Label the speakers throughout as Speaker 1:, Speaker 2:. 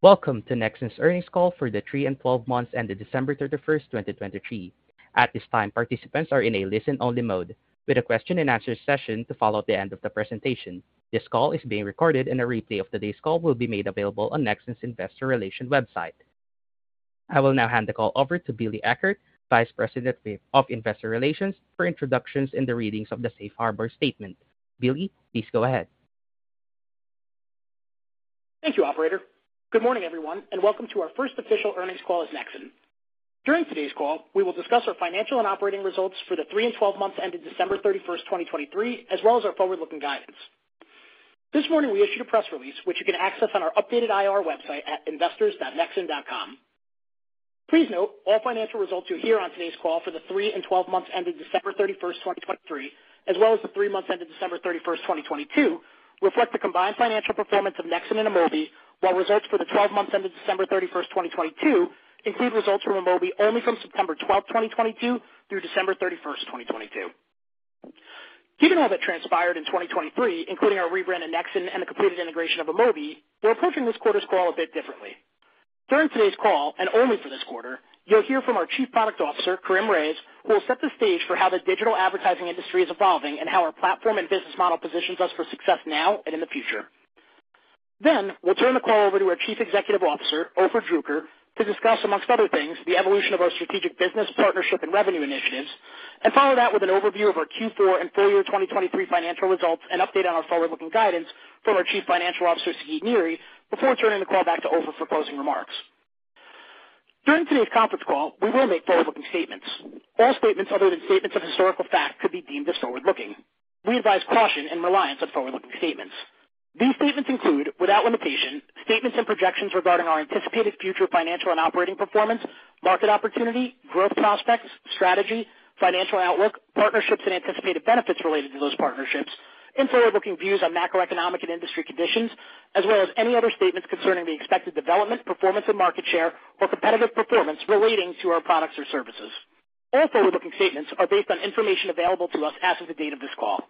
Speaker 1: Welcome to Nexxen's earnings call for the 3 and 12 months ended December 31, 2023. At this time, participants are in a listen-only mode, with a question and answer session to follow at the end of the presentation. This call is being recorded and a replay of today's call will be made available on Nexxen's Investor Relations website. I will now hand the call over to Billy Eckert, Vice President of Investor Relations, for introductions and the reading of the Safe Harbor statement. Billy, please go ahead.
Speaker 2: Thank you, operator. Good morning, everyone, and welcome to our first official earnings call as Nexxen. During today's call, we will discuss our financial and operating results for the three and twelve months ended December 31, 2023, as well as our forward-looking guidance. This morning, we issued a press release, which you can access on our updated IR website at investors.nexxen.com. Please note, all financial results you hear on today's call for the three and twelve months ended December 31, 2023, as well as the three months ended December 31, 2022, reflect the combined financial performance of Nexxen and Amobee, while results for the twelve months ended December 31, 2022, include results from Amobee only from September 12, 2022, through December 31, 2022. Given all that transpired in 2023, including our rebrand to Nexxen and the completed integration of Amobee, we're approaching this quarter's call a bit differently. During today's call, and only for this quarter, you'll hear from our Chief Product Officer, Karim Rayes, who will set the stage for how the digital advertising industry is evolving and how our platform and business model positions us for success now and in the future. Then we'll turn the call over to our Chief Executive Officer, Ofer Druker, to discuss, amongst other things, the evolution of our strategic business, partnership, and revenue initiatives, and follow that with an overview of our Q4 and full year 2023 financial results and update on our forward-looking guidance from our Chief Financial Officer, Sagi Niri, before turning the call back to Ofer for closing remarks. During today's conference call, we will make forward-looking statements. All statements other than statements of historical fact could be deemed as forward-looking. We advise caution in reliance on forward-looking statements. These statements include, without limitation, statements and projections regarding our anticipated future financial and operating performance, market opportunity, growth prospects, strategy, financial outlook, partnerships and anticipated benefits related to those partnerships, and forward-looking views on macroeconomic and industry conditions, as well as any other statements concerning the expected development, performance and market share, or competitive performance relating to our products or services. All forward-looking statements are based on information available to us as of the date of this call.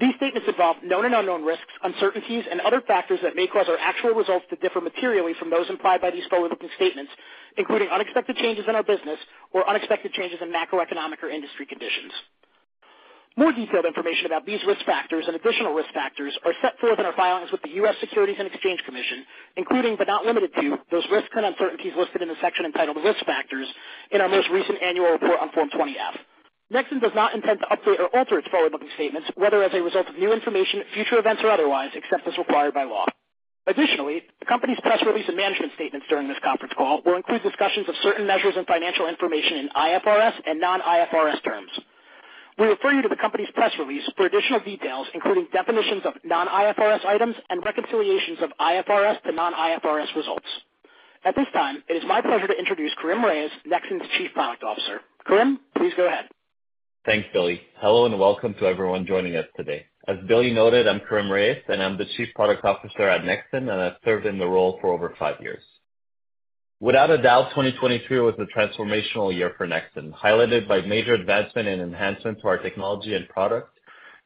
Speaker 2: These statements involve known and unknown risks, uncertainties, and other factors that may cause our actual results to differ materially from those implied by these forward-looking statements, including unexpected changes in our business or unexpected changes in macroeconomic or industry conditions. More detailed information about these risk factors and additional risk factors are set forth in our filings with the U.S. Securities and Exchange Commission, including, but not limited to, those risks and uncertainties listed in the section entitled Risk Factors in our most recent annual report on Form 20-F. Nexxen does not intend to update or alter its forward-looking statements, whether as a result of new information, future events, or otherwise, except as required by law. Additionally, the company's press release and management statements during this conference call will include discussions of certain measures and financial information in IFRS and non-IFRS terms. We refer you to the company's press release for additional details, including definitions of non-IFRS items and reconciliations of IFRS to non-IFRS results. At this time, it is my pleasure to introduce Karim Rayes, Nexxen's Chief Product Officer. Karim, please go ahead.
Speaker 3: Thanks, Billy. Hello, and welcome to everyone joining us today. As Billy noted, I'm Karim Rayes, and I'm the Chief Product Officer at Nexxen, and I've served in the role for over five years. Without a doubt, 2023 was a transformational year for Nexxen, highlighted by major advancement and enhancement to our technology and product,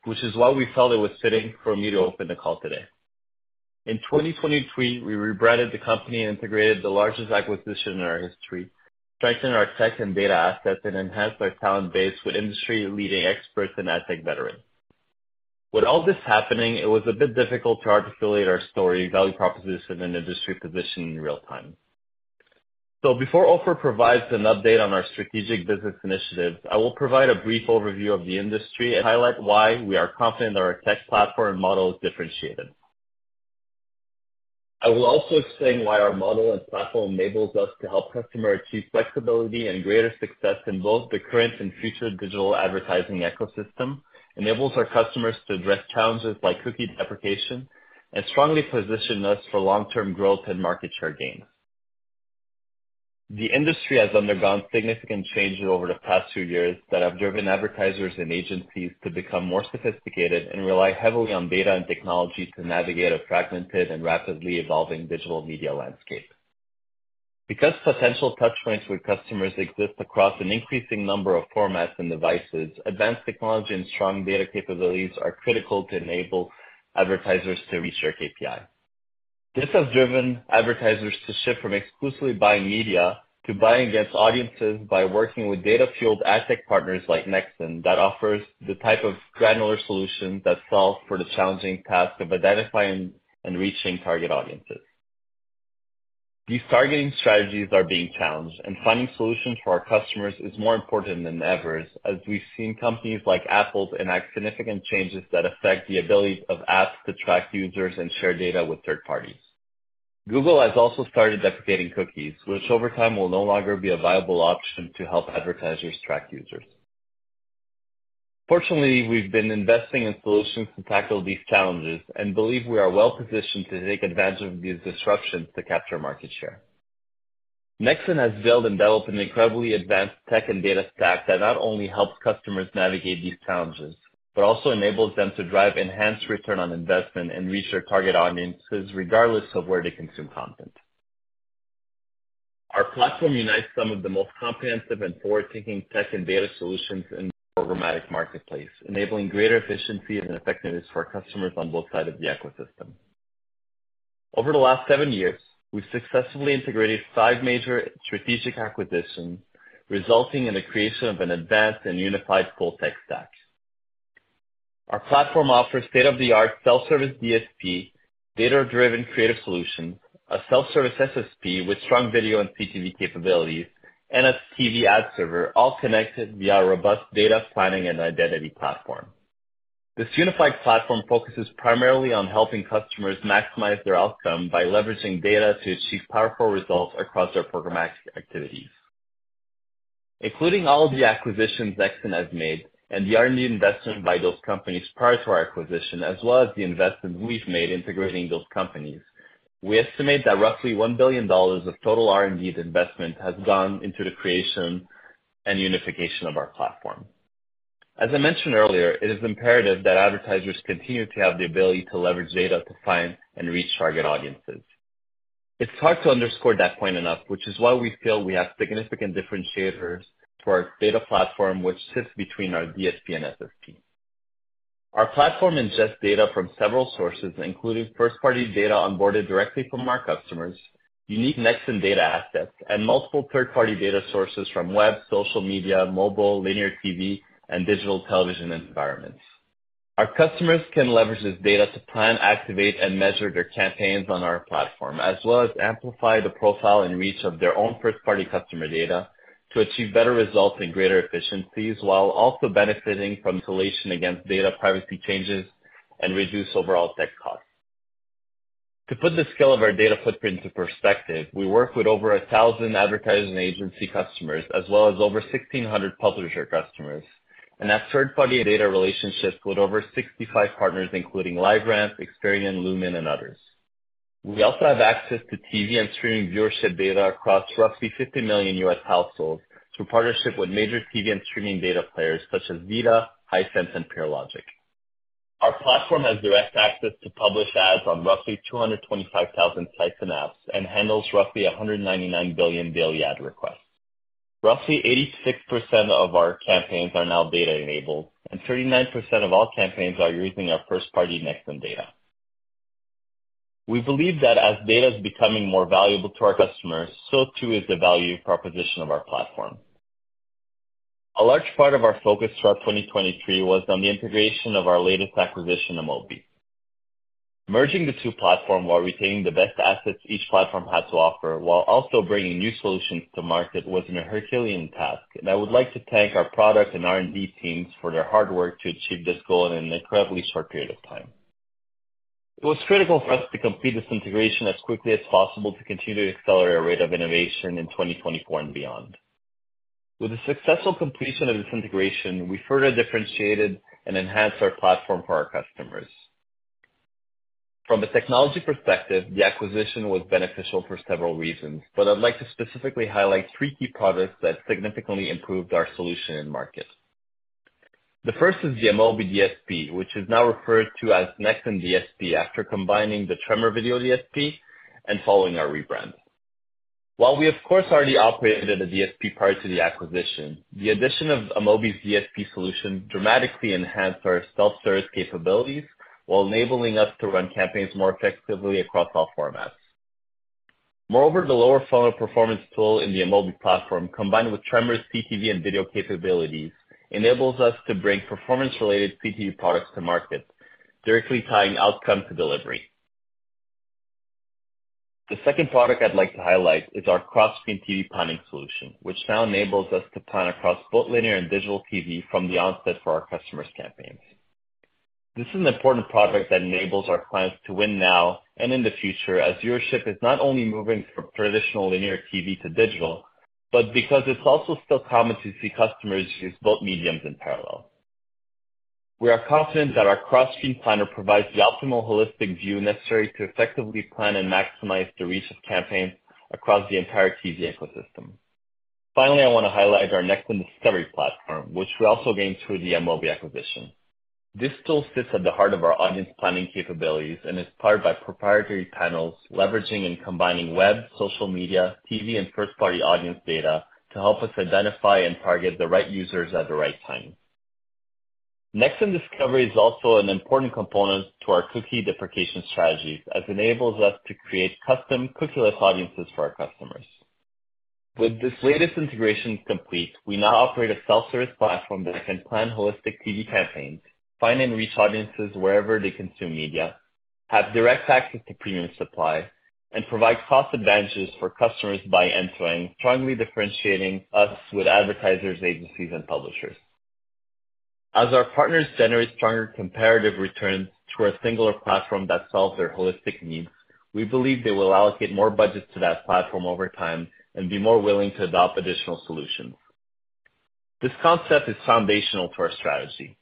Speaker 3: which is why we felt it was fitting for me to open the call today. In 2023, we rebranded the company and integrated the largest acquisition in our history, strengthened our tech and data assets, and enhanced our talent base with industry-leading experts and ad tech veterans. With all this happening, it was a bit difficult to articulate our story, value proposition, and industry position in real time. So before Ofer provides an update on our strategic business initiatives, I will provide a brief overview of the industry and highlight why we are confident that our tech platform model is differentiated. I will also explain why our model and platform enables us to help customers achieve flexibility and greater success in both the current and future digital advertising ecosystem, enables our customers to address challenges like cookie deprecation, and strongly position us for long-term growth and market share gains. The industry has undergone significant changes over the past two years that have driven advertisers and agencies to become more sophisticated and rely heavily on data and technology to navigate a fragmented and rapidly evolving digital media landscape. Because potential touchpoints with customers exist across an increasing number of formats and devices, advanced technology and strong data capabilities are critical to enable advertisers to reach their KPI. This has driven advertisers to shift from exclusively buying media to buying against audiences by working with data-fueled ad tech partners like Nexxen that offers the type of granular solution that solves for the challenging task of identifying and reaching target audiences. These targeting strategies are being challenged, and finding solutions for our customers is more important than ever, as we've seen companies like Apple enact significant changes that affect the ability of apps to track users and share data with third parties. Google has also started deprecating cookies, which over time will no longer be a viable option to help advertisers track users. Fortunately, we've been investing in solutions to tackle these challenges and believe we are well positioned to take advantage of these disruptions to capture market share. Nexxen has built and developed an incredibly advanced tech and data stack that not only helps customers navigate these challenges, but also enables them to drive enhanced return on investment and reach their target audiences regardless of where they consume content. Our platform unites some of the most comprehensive and forward-thinking tech and data solutions in the programmatic marketplace, enabling greater efficiency and effectiveness for our customers on both sides of the ecosystem. Over the last seven years, we've successfully integrated five major strategic acquisitions, resulting in the creation of an advanced and unified full tech stack. Our platform offers state-of-the-art self-service DSP, data-driven creative solutions, a self-service SSP with strong video and CTV capabilities, and a TV ad server, all connected via a robust data planning and identity platform. This unified platform focuses primarily on helping customers maximize their outcome by leveraging data to achieve powerful results across their programmatic activities. Including all the acquisitions Nexxen has made and the R&D investment by those companies prior to our acquisition, as well as the investments we've made integrating those companies, we estimate that roughly $1 billion of total R&D investment has gone into the creation and unification of our platform. As I mentioned earlier, it is imperative that advertisers continue to have the ability to leverage data to find and reach target audiences. It's hard to underscore that point enough, which is why we feel we have significant differentiators to our data platform, which sits between our DSP and SSP. Our platform ingests data from several sources, including first-party data onboarded directly from our customers, unique Nexxen data assets, and multiple third-party data sources from web, social media, mobile, linear TV, and digital television environments. Our customers can leverage this data to plan, activate, and measure their campaigns on our platform, as well as amplify the profile and reach of their own first-party customer data to achieve better results and greater efficiencies, while also benefiting from insulation against data privacy changes and reduce overall tech costs. To put the scale of our data footprint into perspective, we work with over 1,000 advertising agency customers, as well as over 1,600 publisher customers, and have third-party data relationships with over 65 partners, including LiveRamp, Experian, Lumen, and others. We also have access to TV and streaming viewership data across roughly 50 million U.S. households through partnerships with major TV and streaming data players such as VIDAA, Hisense, and PeerLogix. Our platform has direct access to publish ads on roughly 225,000 sites and apps and handles roughly 199 billion daily ad requests. Roughly 86% of our campaigns are now data-enabled, and 39% of all campaigns are using our first-party Nexxen data. We believe that as data is becoming more valuable to our customers, so too is the value proposition of our platform. A large part of our focus throughout 2023 was on the integration of our latest acquisition, Amobee. Merging the two platforms while retaining the best assets each platform had to offer, while also bringing new solutions to market, was a Herculean task, and I would like to thank our product and R&D teams for their hard work to achieve this goal in an incredibly short period of time. It was critical for us to complete this integration as quickly as possible to continue to accelerate our rate of innovation in 2024 and beyond. With the successful completion of this integration, we further differentiated and enhanced our platform for our customers. From a technology perspective, the acquisition was beneficial for several reasons, but I'd like to specifically highlight three key products that significantly improved our solution in market. The first is the Amobee DSP, which is now referred to as Nexxen DSP, after combining the Tremor Video DSP and following our rebrand. While we, of course, already operated a DSP prior to the acquisition, the addition of Amobee's DSP solution dramatically enhanced our self-service capabilities while enabling us to run campaigns more effectively across all formats. Moreover, the lower funnel performance tool in the Amobee platform, combined with Tremor's CTV and video capabilities, enables us to bring performance-related CTV products to market, directly tying outcome to delivery. The second product I'd like to highlight is our cross-screen TV planning solution, which now enables us to plan across both linear and digital TV from the onset for our customers' campaigns. This is an important product that enables our clients to win now and in the future, as viewership is not only moving from traditional linear TV to digital, but because it's also still common to see customers use both mediums in parallel. We are confident that our cross-screen planner provides the optimal holistic view necessary to effectively plan and maximize the reach of campaigns across the entire TV ecosystem. Finally, I want to highlight our Nexxen Discovery platform, which we also gained through the Amobee acquisition. This tool sits at the heart of our audience planning capabilities and is powered by proprietary panels, leveraging and combining web, social media, TV, and first-party audience data to help us identify and target the right users at the right time. Nexxen Discovery is also an important component to our cookie deprecation strategies, as it enables us to create custom cookieless audiences for our customers. With this latest integration complete, we now operate a self-service platform that can plan holistic TV campaigns, find and reach audiences wherever they consume media, have direct access to premium supply, and provide cost advantages for customers by end-to-end, strongly differentiating us with advertisers, agencies, and publishers. As our partners generate stronger comparative returns through a singular platform that solves their holistic needs, we believe they will allocate more budgets to that platform over time and be more willing to adopt additional solutions. This concept is foundational to our strategy.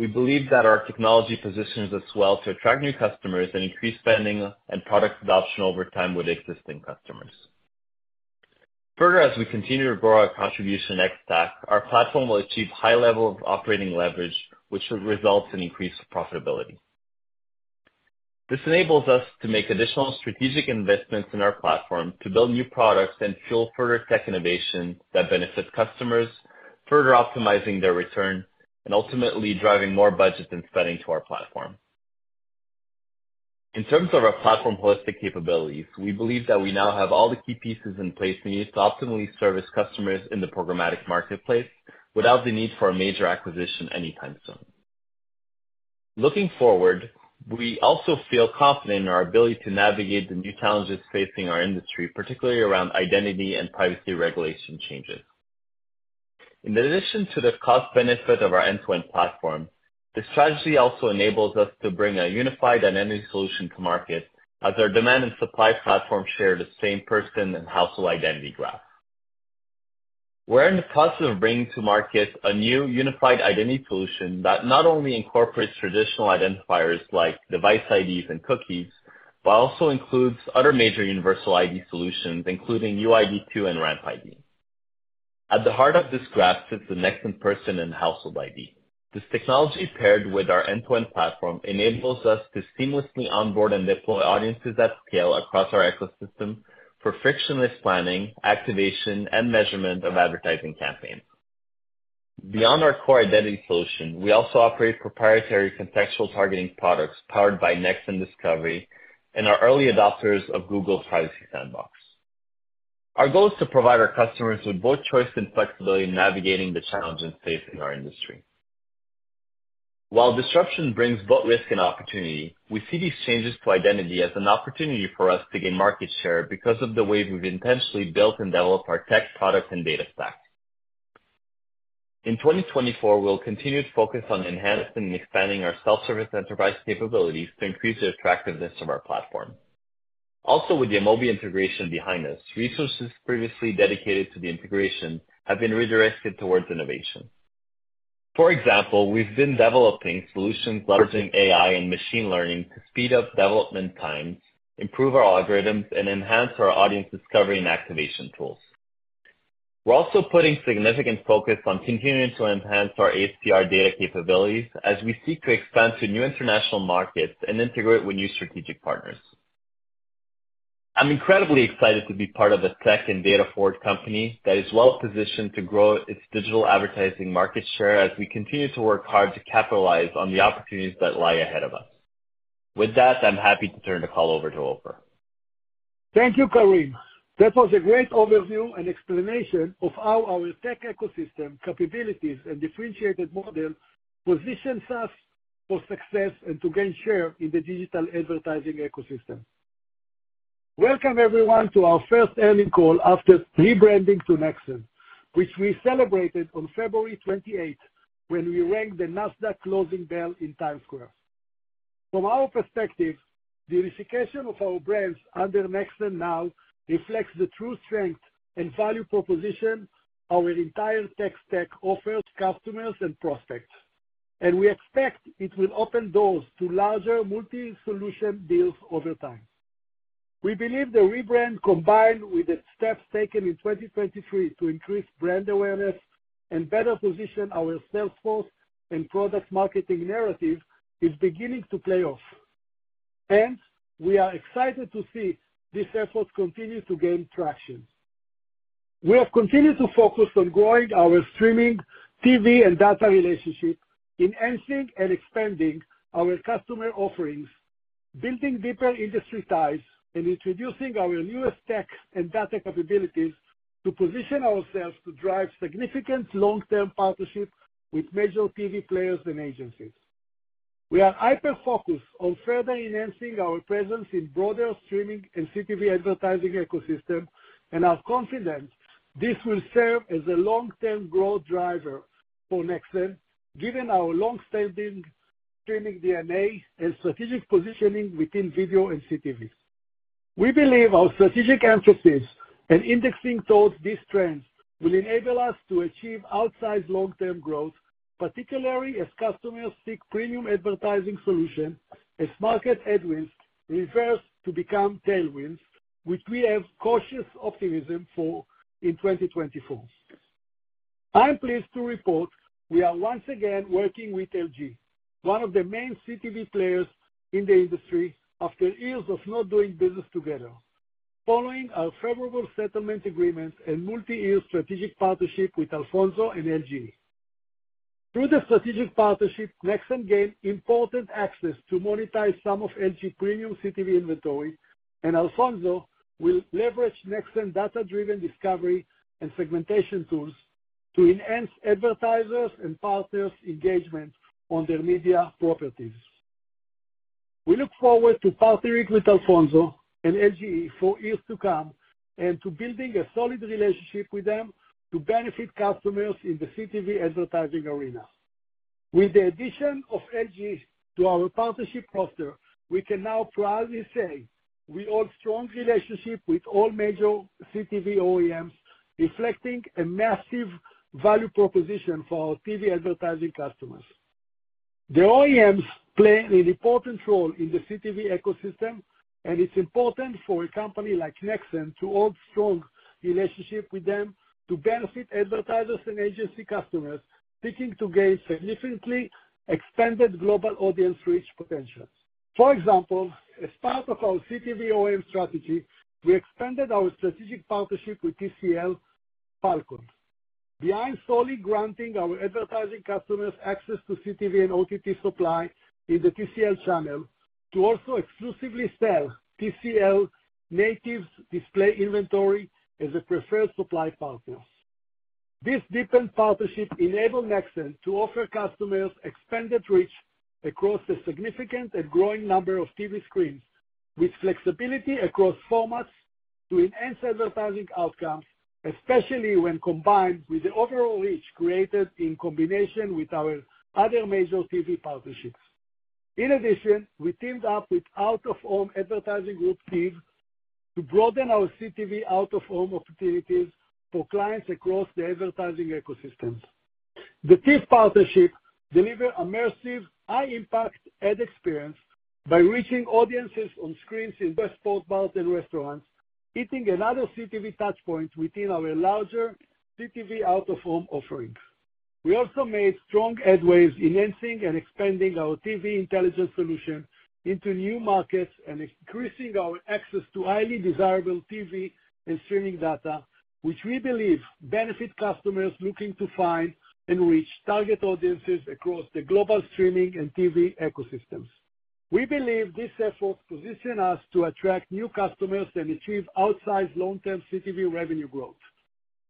Speaker 3: We believe that our technology positions us well to attract new customers and increase spending and product adoption over time with existing customers. Further, as we continue to grow our contribution ex-TAC, our platform will achieve high levels of operating leverage, which should result in increased profitability. This enables us to make additional strategic investments in our platform to build new products and fuel further tech innovation that benefits customers, further optimizing their return, and ultimately driving more budget and spending to our platform. In terms of our platform holistic capabilities, we believe that we now have all the key pieces in place we need to optimally service customers in the programmatic marketplace without the need for a major acquisition anytime soon. Looking forward, we also feel confident in our ability to navigate the new challenges facing our industry, particularly around identity and privacy regulation changes. In addition to the cost benefit of our end-to-end platform, this strategy also enables us to bring a unified identity solution to market as our demand and supply platform share the same person and household Identity Graph. We're in the process of bringing to market a new unified identity solution that not only incorporates traditional identifiers like device IDs and cookies, but also includes other major universal ID solutions, including UID2 and RampID. At the heart of this graph sits the Nexxen person and household ID. This technology, paired with our end-to-end platform, enables us to seamlessly onboard and deploy audiences at scale across our ecosystem for frictionless planning, activation, and measurement of advertising campaigns. Beyond our core identity solution, we also operate proprietary contextual targeting products powered by Nexxen Discovery and are early adopters of Google Privacy Sandbox. Our goal is to provide our customers with both choice and flexibility in navigating the challenges facing our industry. While disruption brings both risk and opportunity, we see these changes to identity as an opportunity for us to gain market share because of the way we've intentionally built and developed our tech product and data stack. In 2024, we'll continue to focus on enhancing and expanding our self-service enterprise capabilities to increase the attractiveness of our platform. Also, with the Amobee integration behind us, resources previously dedicated to the integration have been redirected towards innovation. For example, we've been developing solutions leveraging AI and machine learning to speed up development time, improve our algorithms, and enhance our audience discovery and activation tools. We're also putting significant focus on continuing to enhance our HDR data capabilities as we seek to expand to new international markets and integrate with new strategic partners. I'm incredibly excited to be part of a tech and data-forward company that is well positioned to grow its digital advertising market share as we continue to work hard to capitalize on the opportunities that lie ahead of us. With that, I'm happy to turn the call over to Ofer.
Speaker 4: Thank you, Karim. That was a great overview and explanation of how our tech ecosystem capabilities and differentiated model positions us for success and to gain share in the digital advertising ecosystem. Welcome, everyone, to our first earnings call after rebranding to Nexxen, which we celebrated on February 28, when we rang the Nasdaq closing bell in Times Square. From our perspective, the unification of our brands under Nexxen now reflects the true strength and value proposition our entire tech stack offers customers and prospects, and we expect it will open doors to larger multi-solution deals over time. We believe the rebrand, combined with the steps taken in 2023 to increase brand awareness and better position our sales force and product marketing narrative, is beginning to play off. Hence, we are excited to see these efforts continue to gain traction. We have continued to focus on growing our streaming TV and data relationship, enhancing and expanding our customer offerings, building deeper industry ties, and introducing our newest tech and data capabilities to position ourselves to drive significant long-term partnerships with major TV players and agencies. We are hyper-focused on further enhancing our presence in broader streaming and CTV advertising ecosystem, and are confident this will serve as a long-term growth driver for Nexxen, given our long-standing streaming DNA and strategic positioning within video and CTV. We believe our strategic emphasis and indexing towards these trends will enable us to achieve outsized long-term growth, particularly as customers seek premium advertising solutions, as market headwinds reverse to become tailwinds, which we have cautious optimism for in 2024. I am pleased to report we are once again working with LG, one of the main CTV players in the industry, after years of not doing business together, following our favorable settlement agreement and multi-year strategic partnership with Alphonso and LG. Through the strategic partnership, Nexxen gained important access to monetize some of LG premium CTV inventory, and Alphonso will leverage Nexxen data-driven discovery and segmentation tools to enhance advertisers and partners' engagement on their media properties. We look forward to partnering with Alphonso and LG for years to come and to building a solid relationship with them to benefit customers in the CTV advertising arena. With the addition of LG to our partnership roster, we can now proudly say we hold strong relationships with all major CTV OEMs, reflecting a massive value proposition for our TV advertising customers. The OEMs play an important role in the CTV ecosystem, and it's important for a company like Nexxen to hold strong relationship with them to benefit advertisers and agency customers seeking to gain significantly expanded global audience reach potentials. For example, as part of our CTV OEM strategy, we expanded our strategic partnership with TCL FFALCON. Beyond solely granting our advertising customers access to CTV and OTT supply in the TCL channel, to also exclusively sell TCL native display inventory as a preferred supply partner. This deepened partnership enabled Nexxen to offer customers expanded reach across a significant and growing number of TV screens, with flexibility across formats to enhance advertising outcomes, especially when combined with the overall reach created in combination with our other major TV partnerships. In addition, we teamed up with out-of-home advertising group team to broaden our CTV out-of-home opportunities for clients across the advertising ecosystems. The team partnership delivers immersive, high-impact ad experiences by reaching audiences on screens in West Port bars and restaurants, hitting another CTV touchpoint within our larger CTV out-of-home offerings. We also made strong headway enhancing and expanding our TV Intelligence solution into new markets and increasing our access to highly desirable TV and streaming data, which we believe benefits customers looking to find and reach target audiences across the global streaming and TV ecosystems. We believe this effort positions us to attract new customers and achieve outsized long-term CTV revenue growth.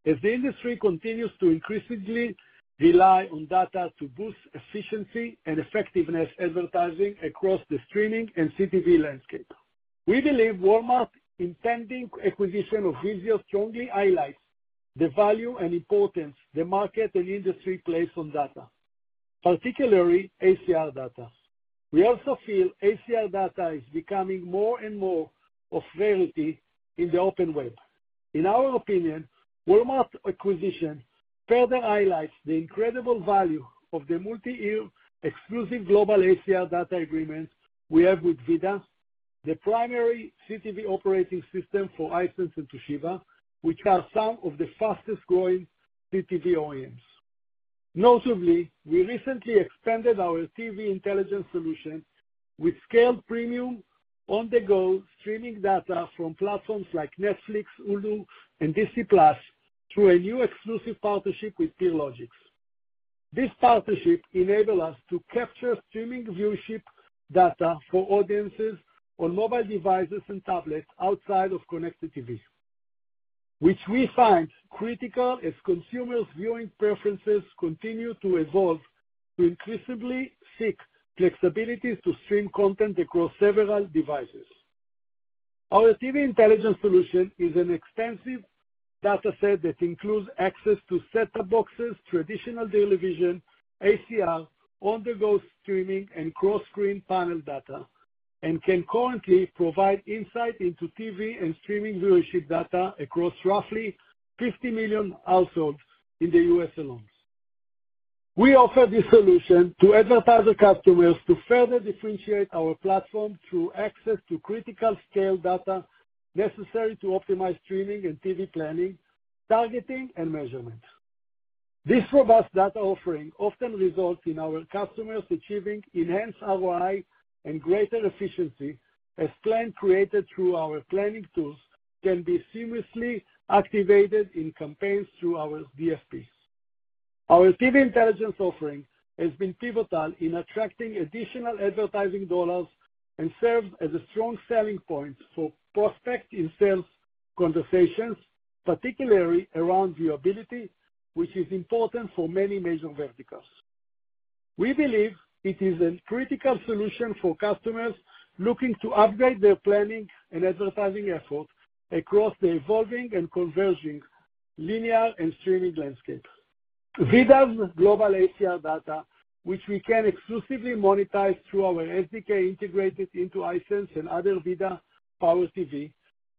Speaker 4: As the industry continues to increasingly rely on data to boost efficiency and effectiveness advertising across the streaming and CTV landscape. We believe Walmart's intended acquisition of Vizio strongly highlights the value and importance the market and industry place on data, particularly ACR data. We also feel ACR data is becoming more and more of a rarity in the open web. In our opinion, Walmart acquisition further highlights the incredible value of the multi-year exclusive global ACR data agreements we have with VIDAA, the primary CTV operating system for Hisense and Toshiba, which are some of the fastest growing CTV OEMs. Notably, we recently expanded our TV Intelligence solution with scaled premium on-the-go streaming data from platforms like Netflix, Hulu, and Disney+ through a new exclusive partnership with PeerLogix. This partnership enable us to capture streaming viewership data for audiences on mobile devices and tablets outside of connected TV, which we find critical as consumers' viewing preferences continue to evolve to increasingly seek flexibility to stream content across several devices. Our TV Intelligence solution is an extensive data set that includes access to set-top boxes, traditional television, ACR, on-the-go streaming, and cross-screen panel data, and can currently provide insight into TV and streaming viewership data across roughly 50 million households in the U.S. alone. We offer this solution to advertiser customers to further differentiate our platform through access to critical scale data necessary to optimize streaming and TV planning, targeting, and measurement. This robust data offering often results in our customers achieving enhanced ROI and greater efficiency, as plans created through our planning tools can be seamlessly activated in campaigns through our DSP. Our TV Intelligence offering has been pivotal in attracting additional advertising dollars and serves as a strong selling point for prospects in sales conversations, particularly around viewability, which is important for many major verticals. We believe it is a critical solution for customers looking to upgrade their planning and advertising efforts across the evolving and converging linear and streaming landscape. VIDAA's global ACR data, which we can exclusively monetize through our SDK, integrated into Hisense and other VIDAA-powered TV,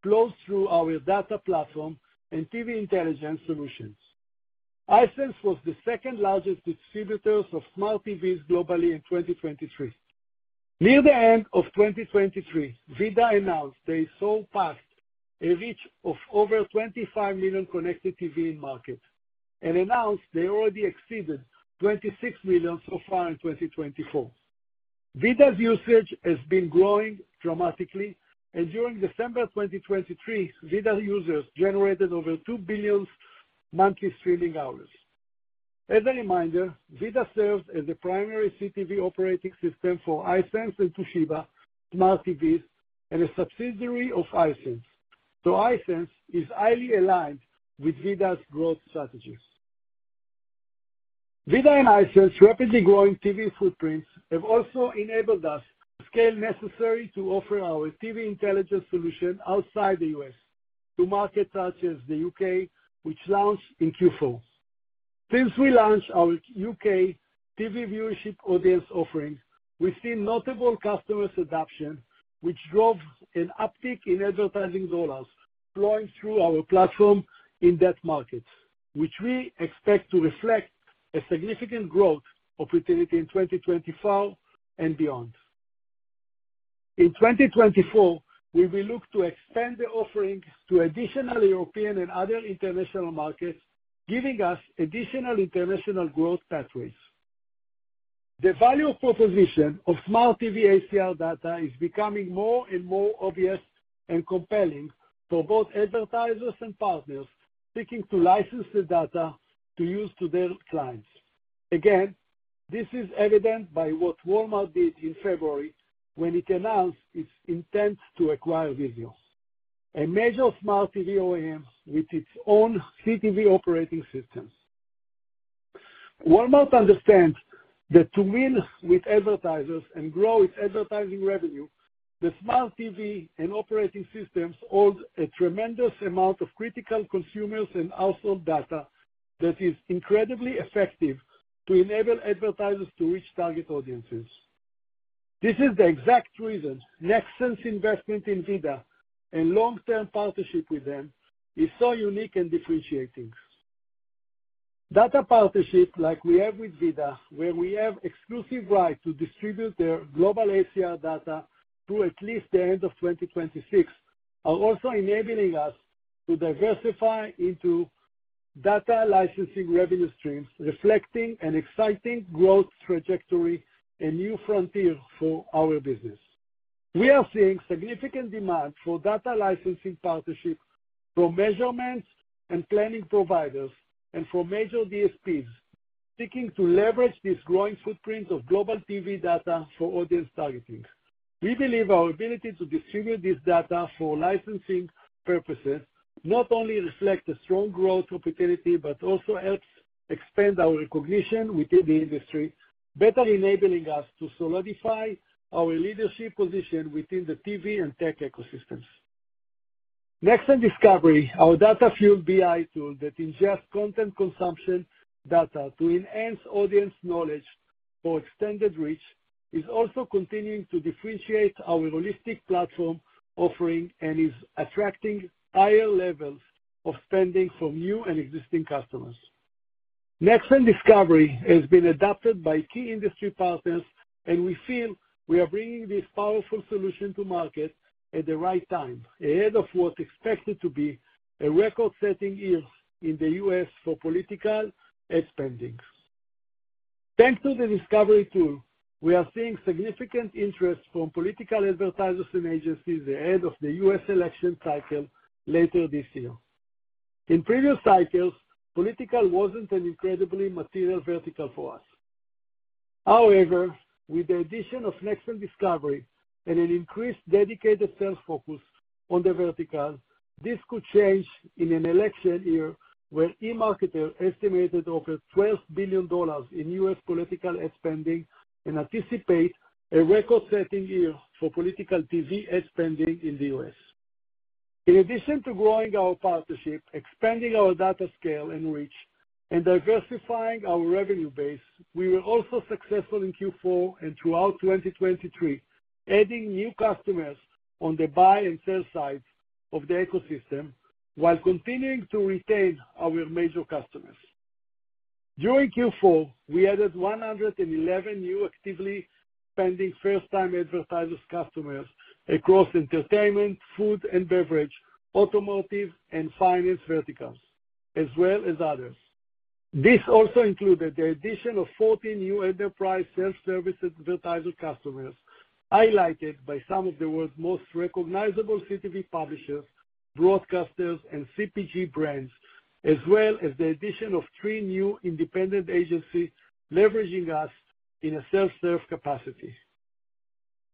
Speaker 4: flows through our data platform and TV Intelligence solutions. Hisense was the second-largest distributor of smart TVs globally in 2023. Near the end of 2023, VIDAA announced they saw past a reach of over 25 million connected TV in market and announced they already exceeded 26 million so far in 2024. VIDAA's usage has been growing dramatically, and during December 2023, VIDAA users generated over 2 billion monthly streaming hours. As a reminder, VIDAA serves as the primary CTV operating system for Hisense and Toshiba smart TVs and a subsidiary of Hisense. Hisense is highly aligned with VIDAA's growth strategies. VIDAA and Hisense rapidly growing TV footprints have also enabled us to scale necessary to offer our TV Intelligence solution outside the U.S. to markets such as the U.K., which launched in Q4. Since we launched our U.K. TV viewership audience offerings, we've seen notable customer adoption, which drove an uptick in advertising dollars flowing through our platform in that market, which we expect to reflect a significant growth opportunity in 2024 and beyond. In 2024, we will look to extend the offering to additional European and other international markets, giving us additional international growth pathways. The value proposition of smart TV ACR data is becoming more and more obvious and compelling for both advertisers and partners seeking to license the data to use to their clients. Again, this is evident by what Walmart did in February, when it announced its intent to acquire Vizio, a major smart TV OEM with its own CTV operating system. Walmart understands that to win with advertisers and grow its advertising revenue, the smart TV and operating systems hold a tremendous amount of critical consumers and household data that is incredibly effective to enable advertisers to reach target audiences. This is the exact reason Nexxen's investment in VIDAA and long-term partnership with them is so unique and differentiating. Data partnerships like we have with VIDAA, where we have exclusive right to distribute their global ACR data through at least the end of 2026, are also enabling us to diversify into data licensing revenue streams, reflecting an exciting growth trajectory and new frontier for our business. We are seeing significant demand for data licensing partnerships from measurements and planning providers and from major DSPs seeking to leverage this growing footprint of global TV data for audience targeting. We believe our ability to distribute this data for licensing purposes not only reflects a strong growth opportunity, but also helps expand our recognition within the industry, better enabling us to solidify our leadership position within the TV and tech ecosystems. Nexxen Discovery, our data-fueled BI tool that ingests content consumption data to enhance audience knowledge for extended reach, is also continuing to differentiate our holistic platform offering and is attracting higher levels of spending from new and existing customers. Nexxen Discovery has been adopted by key industry partners, and we feel we are bringing this powerful solution to market at the right time, ahead of what's expected to be a record-setting year in the U.S. for political ad spending. Thanks to the Discovery tool, we are seeing significant interest from political advertisers and agencies ahead of the U.S. election cycle later this year. In previous cycles, political wasn't an incredibly material vertical for us. However, with the addition of Nexxen Discovery and an increased dedicated sales focus on the vertical, this could change in an election year where eMarketer estimated over $12 billion in U.S. political ad spending and anticipate a record-setting year for political TV ad spending in the U.S. In addition to growing our partnership, expanding our data scale and reach, and diversifying our revenue base, we were also successful in Q4 and throughout 2023, adding new customers on the buy and sell side of the ecosystem, while continuing to retain our major customers. During Q4, we added 111 new actively spending first-time advertisers customers across entertainment, food and beverage, automotive, and finance verticals, as well as others. This also included the addition of 14 new enterprise self-service advertiser customers, highlighted by some of the world's most recognizable CTV publishers, broadcasters, and CPG brands, as well as the addition of 3 new independent agencies leveraging us in a self-serve capacity.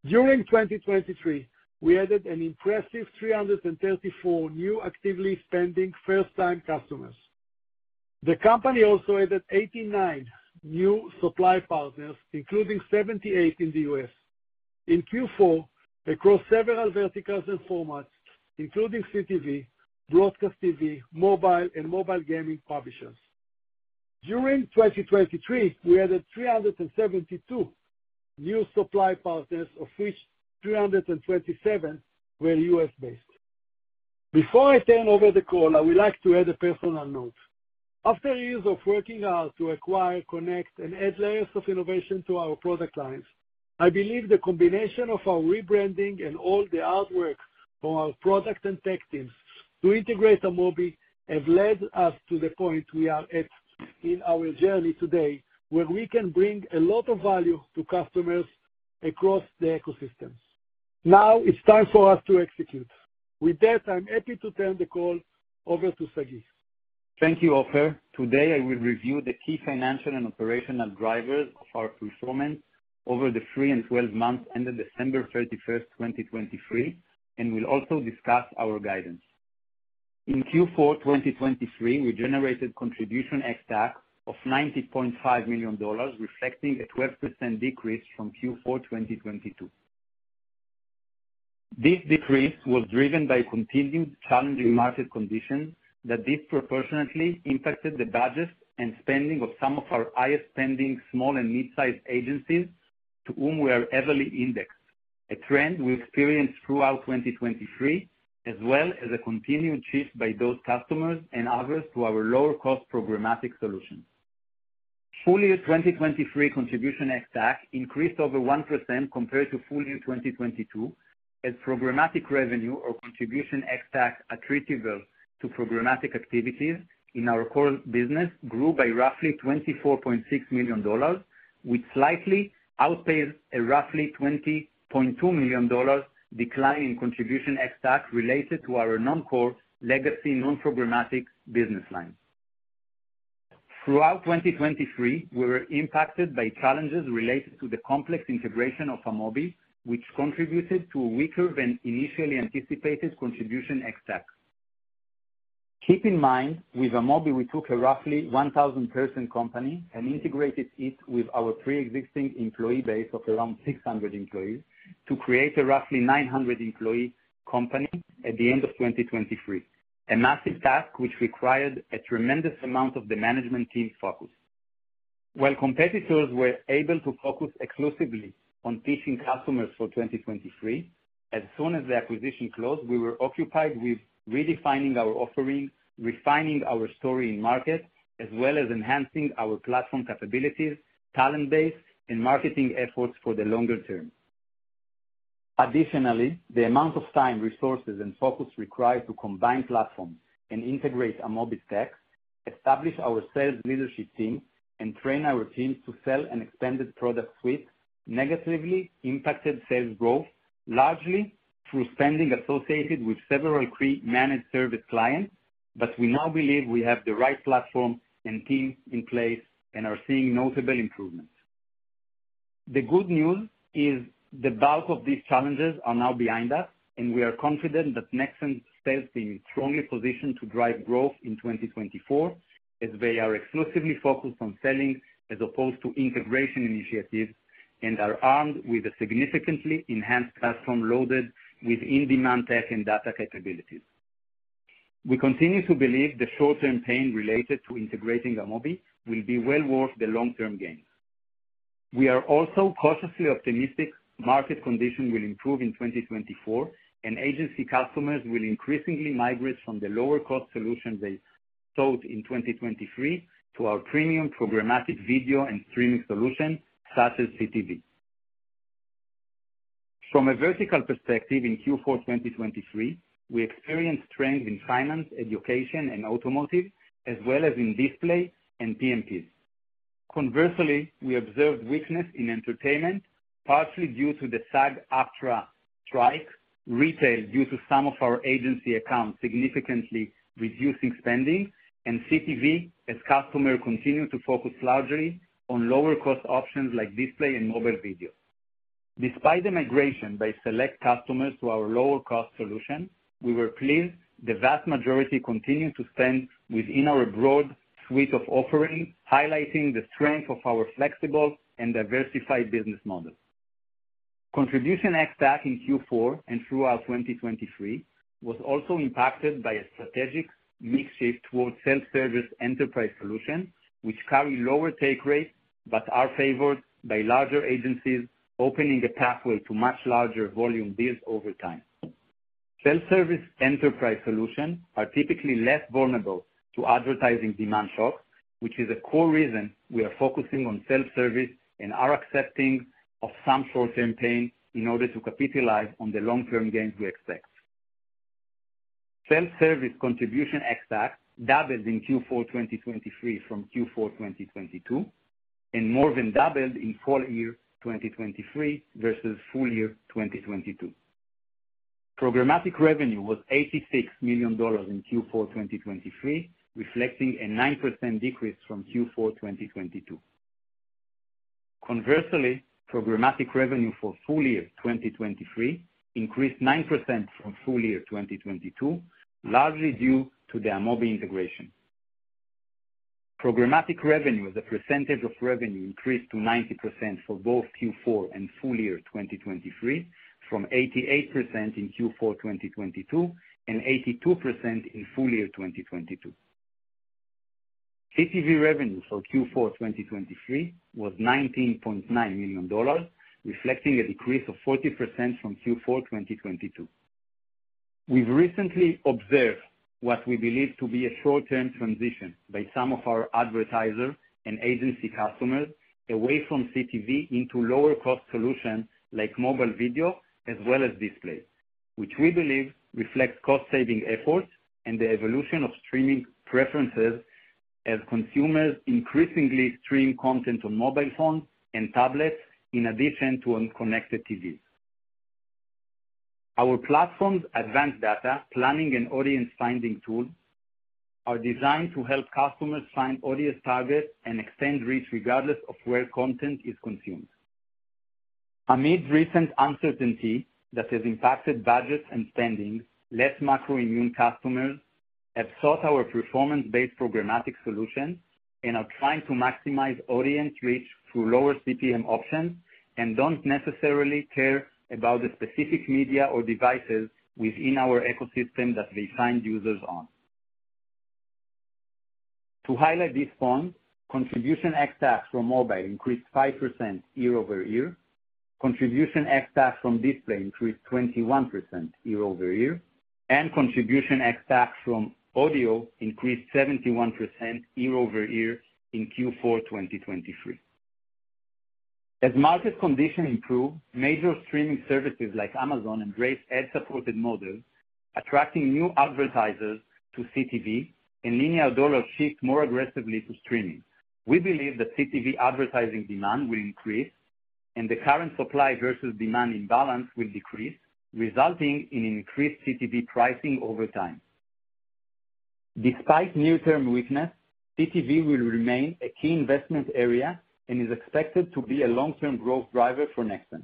Speaker 4: During 2023, we added an impressive 334 new actively spending first-time customers. The company also added 89 new supply partners, including 78 in the U.S. In Q4, across several verticals and formats, including CTV, broadcast TV, mobile, and mobile gaming publishers. During 2023, we added 372 new supply partners, of which 327 were U.S.-based. Before I turn over the call, I would like to add a personal note. After years of working hard to acquire, connect, and add layers of innovation to our product lines, I believe the combination of our rebranding and all the hard work from our product and tech teams to integrate Amobee have led us to the point we are at in our journey today, where we can bring a lot of value to customers across the ecosystems. Now it's time for us to execute. With that, I'm happy to turn the call over to Sagi.
Speaker 5: Thank you, Ofer. Today, I will review the key financial and operational drivers of our performance over the three and twelve months, ended December 31, 2023, and will also discuss our guidance. In Q4 2023, we generated contribution ex-TAC of $90.5 million, reflecting a 12% decrease from Q4 2022. This decrease was driven by continuing challenging market conditions that disproportionately impacted the budgets and spending of some of our highest-spending small and mid-sized agencies, to whom we are heavily indexed. A trend we experienced throughout 2023, as well as a continued shift by those customers and others to our lower-cost programmatic solutions.... Full year 2023 Contribution ex-TAC increased over 1% compared to full year 2022, as programmatic revenue, or Contribution ex-TAC attributable to programmatic activities in our core business grew by roughly $24.6 million, which slightly outpaced a roughly $20.2 million decline in Contribution ex-TAC related to our non-core legacy, non-programmatic business line. Throughout 2023, we were impacted by challenges related to the complex integration of Amobee, which contributed to weaker than initially anticipated Contribution ex-TAC. Keep in mind, with Amobee, we took a roughly 1,000-person company and integrated it with our pre-existing employee base of around 600 employees, to create a roughly 900-employee company at the end of 2023. A massive task, which required a tremendous amount of the management team's focus. While competitors were able to focus exclusively on pitching customers for 2023, as soon as the acquisition closed, we were occupied with redefining our offerings, refining our story in market, as well as enhancing our platform capabilities, talent base, and marketing efforts for the longer term. Additionally, the amount of time, resources, and focus required to combine platforms and integrate Amobee tech, establish our sales leadership team, and train our teams to sell an expanded product suite, negatively impacted sales growth, largely through spending associated with several pre-managed service clients. But we now believe we have the right platform and team in place and are seeing notable improvements. The good news is, the bulk of these challenges are now behind us, and we are confident that Nexxen sales team is strongly positioned to drive growth in 2024, as they are exclusively focused on selling as opposed to integration initiatives, and are armed with a significantly enhanced platform loaded with in-demand tech and data capabilities. We continue to believe the short-term pain related to integrating Amobee will be well worth the long-term gain. We are also cautiously optimistic market conditions will improve in 2024, and agency customers will increasingly migrate from the lower-cost solution they sought in 2023 to our premium programmatic video and streaming solution, such as CTV. From a vertical perspective, in Q4, 2023, we experienced strength in finance, education and automotive, as well as in display and PMPs. Conversely, we observed weakness in entertainment, partially due to the SAG-AFTRA strike, retail, due to some of our agency accounts significantly reducing spending, and CTV, as customers continue to focus largely on lower cost options like display and mobile video. Despite the migration by select customers to our lower cost solutions, we were pleased the vast majority continued to spend within our broad suite of offerings, highlighting the strength of our flexible and diversified business model. Contribution ex-TAC in Q4 and throughout 2023 was also impacted by a strategic mix shift towards self-service enterprise solutions, which carry lower take rates, but are favored by larger agencies, opening a pathway to much larger volume deals over time. Self-service enterprise solutions are typically less vulnerable to advertising demand shocks, which is a core reason we are focusing on self-service and are accepting of some short-term pain in order to capitalize on the long-term gains we expect. Self-service Contribution ex-TAC doubled in Q4 2023 from Q4 2022, and more than doubled in full year 2023 versus full year 2022. Programmatic revenue was $86 million in Q4 2023, reflecting a 9% decrease from Q4 2022. Conversely, programmatic revenue for full year 2023 increased 9% from full year 2022, largely due to the Amobee integration. Programmatic revenue, as a percentage of revenue, increased to 90% for both Q4 and full year 2023, from 88% in Q4 2022, and 82% in full year 2022. CTV revenue for Q4 2023 was $19.9 million, reflecting a decrease of 40% from Q4 2022. We've recently observed what we believe to be a short-term transition by some of our advertisers and agency customers away from CTV into lower cost solutions like mobile video as well as display, which we believe reflects cost saving efforts and the evolution of streaming preferences as consumers increasingly stream content on mobile phones and tablets in addition to on connected TVs. Our platform's advanced data, planning and audience finding tools are designed to help customers find audience targets and extend reach, regardless of where content is consumed. Amid recent uncertainty that has impacted budgets and spending, less macro immune customers have sought our performance-based programmatic solutions and are trying to maximize audience reach through lower CPM options, and don't necessarily care about the specific media or devices within our ecosystem that they find users on. To highlight this point, Contribution ex-TAC from mobile increased 5% year-over-year. Contribution ex-TAC from display increased 21% year-over-year, and Contribution ex-TAC from audio increased 71% year-over-year in Q4 2023. As market conditions improve, major streaming services like Amazon embrace ad-supported models, attracting new advertisers to CTV and linear dollar shift more aggressively to streaming. We believe that CTV advertising demand will increase, and the current supply versus demand imbalance will decrease, resulting in increased CTV pricing over time. Despite near-term weakness, CTV will remain a key investment area and is expected to be a long-term growth driver for Nexxen.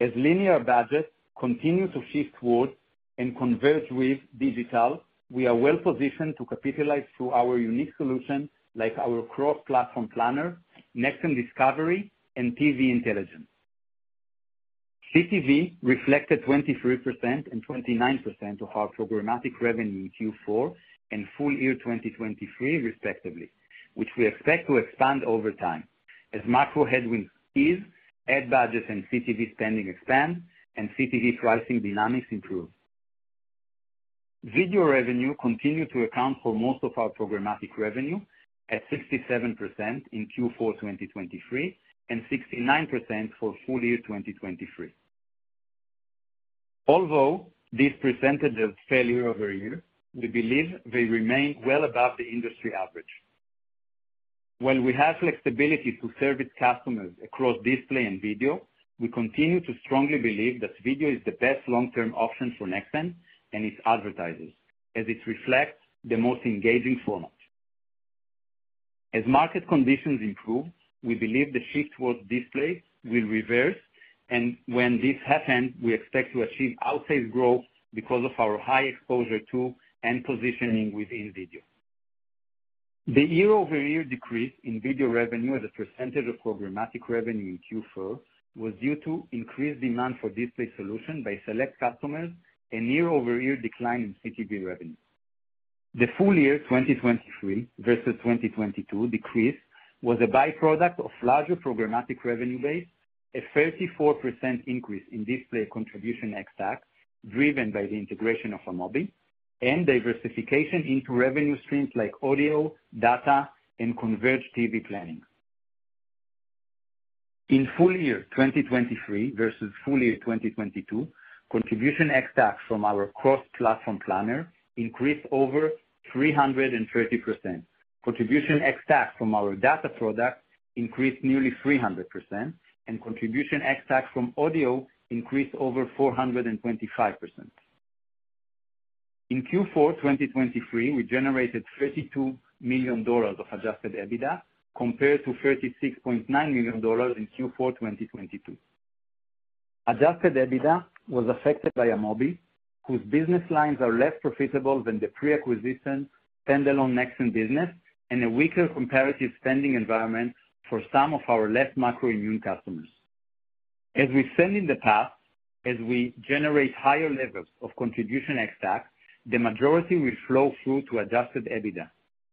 Speaker 5: As linear budgets continue to shift towards and converge with digital, we are well positioned to capitalize through our unique solution, like our cross-platform planner, Nexxen Discovery, and TV Intelligence. CTV reflected 23% and 29% of our programmatic revenue in Q4 and full year 2023, respectively, which we expect to expand over time as macro headwinds ease, ad budgets and CTV spending expand, and CTV pricing dynamics improve. Video revenue continued to account for most of our programmatic revenue at 67% in Q4 2023, and 69% for full year 2023. Although this percentage is falling year-over-year, we believe they remain well above the industry average. While we have flexibility to service customers across display and video, we continue to strongly believe that video is the best long-term option for Nexxen and its advertisers, as it reflects the most engaging format. As market conditions improve, we believe the shift towards display will reverse, and when this happens, we expect to achieve outsized growth because of our high exposure to and positioning within video. The year-over-year decrease in video revenue as a percentage of programmatic revenue in Q4 was due to increased demand for display solution by select customers and year-over-year decline in CTV revenue. The full year 2023 versus 2022 decrease was a by-product of larger programmatic revenue base, a 34% increase in display contribution ex-TAC, driven by the integration of Amobee and diversification into revenue streams like audio, data, and converged TV planning. In full year 2023 versus full year 2022, contribution ex-TAC from our cross-platform planner increased over 330%. Contribution ex-TAC from our data product increased nearly 300%, and contribution ex-TAC from audio increased over 425%. In Q4 2023, we generated $32 million of adjusted EBITDA, compared to $36.9 million in Q4 2022. Adjusted EBITDA was affected by Amobee, whose business lines are less profitable than the pre-acquisition standalone Nexxen business and a weaker comparative spending environment for some of our less macro-immune customers. As we've said in the past, as we generate higher levels of contribution ex-TAC, the majority will flow through to Adjusted EBITDA,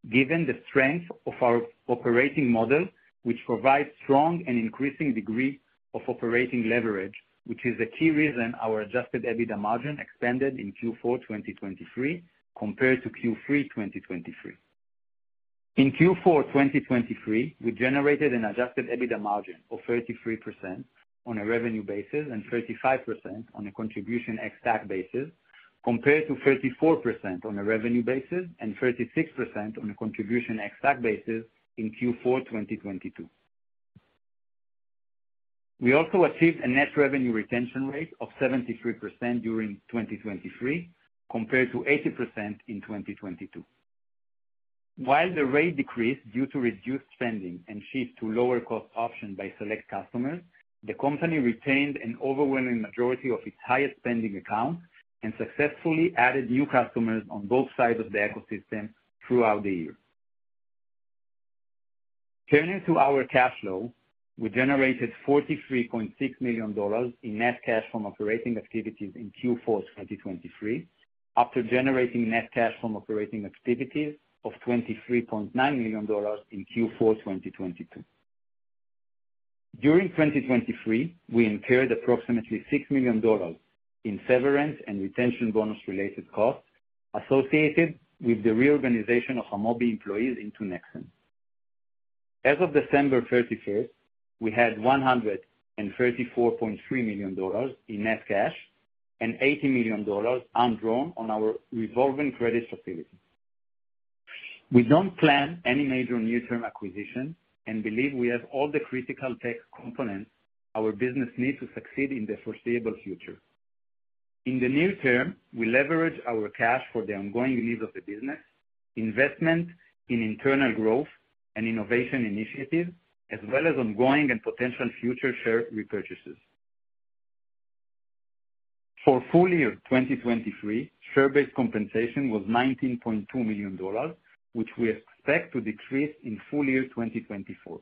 Speaker 5: given the strength of our operating model, which provides strong and increasing degree of operating leverage, which is the key reason our Adjusted EBITDA margin expanded in Q4 2023, compared to Q3 2023. In Q4 2023, we generated an Adjusted EBITDA margin of 33% on a revenue basis and 35% on a contribution ex-TAC basis, compared to 34% on a revenue basis and 36% on a contribution ex-TAC basis in Q4 2022. We also achieved a Net Revenue Retention rate of 73% during 2023, compared to 80% in 2022. While the rate decreased due to reduced spending and shift to lower cost option by select customers, the company retained an overwhelming majority of its highest spending accounts and successfully added new customers on both sides of the ecosystem throughout the year. Turning to our cash flow, we generated $43.6 million in net cash from operating activities in Q4 2023, after generating net cash from operating activities of $23.9 million in Q4 2022. During 2023, we incurred approximately $6 million in severance and retention bonus-related costs associated with the reorganization of Amobee employees into Nexxen. As of December 31st, we had $134.3 million in net cash and $80 million undrawn on our revolving credit facility. We don't plan any major near-term acquisitions and believe we have all the critical tech components our business needs to succeed in the foreseeable future. In the near term, we leverage our cash for the ongoing needs of the business, investment in internal growth and innovation initiatives, as well as ongoing and potential future share repurchases. For full year 2023, share-based compensation was $19.2 million, which we expect to decrease in full year 2024.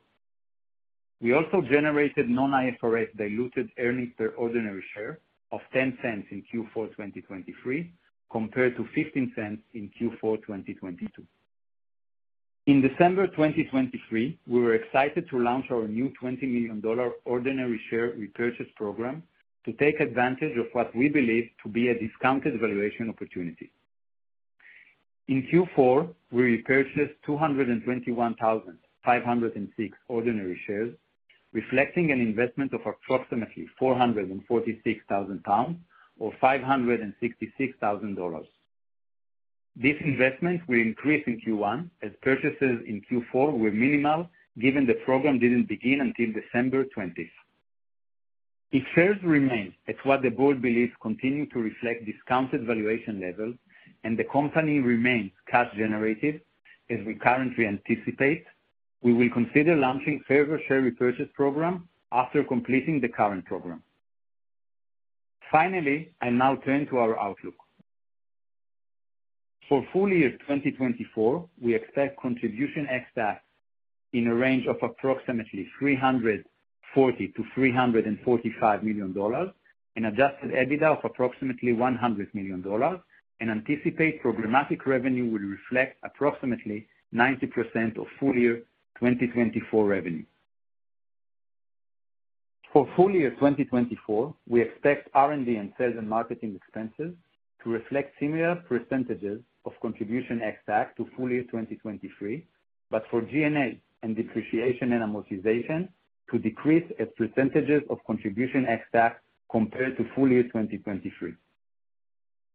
Speaker 5: We also generated non-IFRS diluted earnings per ordinary share of $0.10 in Q4 2023, compared to $0.15 in Q4 2022. In December 2023, we were excited to launch our new $20 million ordinary share repurchase program to take advantage of what we believe to be a discounted valuation opportunity. In Q4, we repurchased 221,506 ordinary shares, reflecting an investment of approximately 446,000 pounds, or $566,000. This investment will increase in Q1, as purchases in Q4 were minimal, given the program didn't begin until December twentieth. If shares remain at what the board believes continue to reflect discounted valuation levels, and the company remains cash generative, as we currently anticipate, we will consider launching further share repurchase program after completing the current program. Finally, I now turn to our outlook. For full year 2024, we expect contribution ex-TAC in a range of approximately $340 million-$345 million, an adjusted EBITDA of approximately $100 million, and anticipate programmatic revenue will reflect approximately 90% of full year 2024 revenue. For full year 2024, we expect R&D and sales and marketing expenses to reflect similar percentages of contribution ex-TAC to full year 2023, but for G&A and depreciation and amortization to decrease as percentages of contribution ex-TAC compared to full year 2023.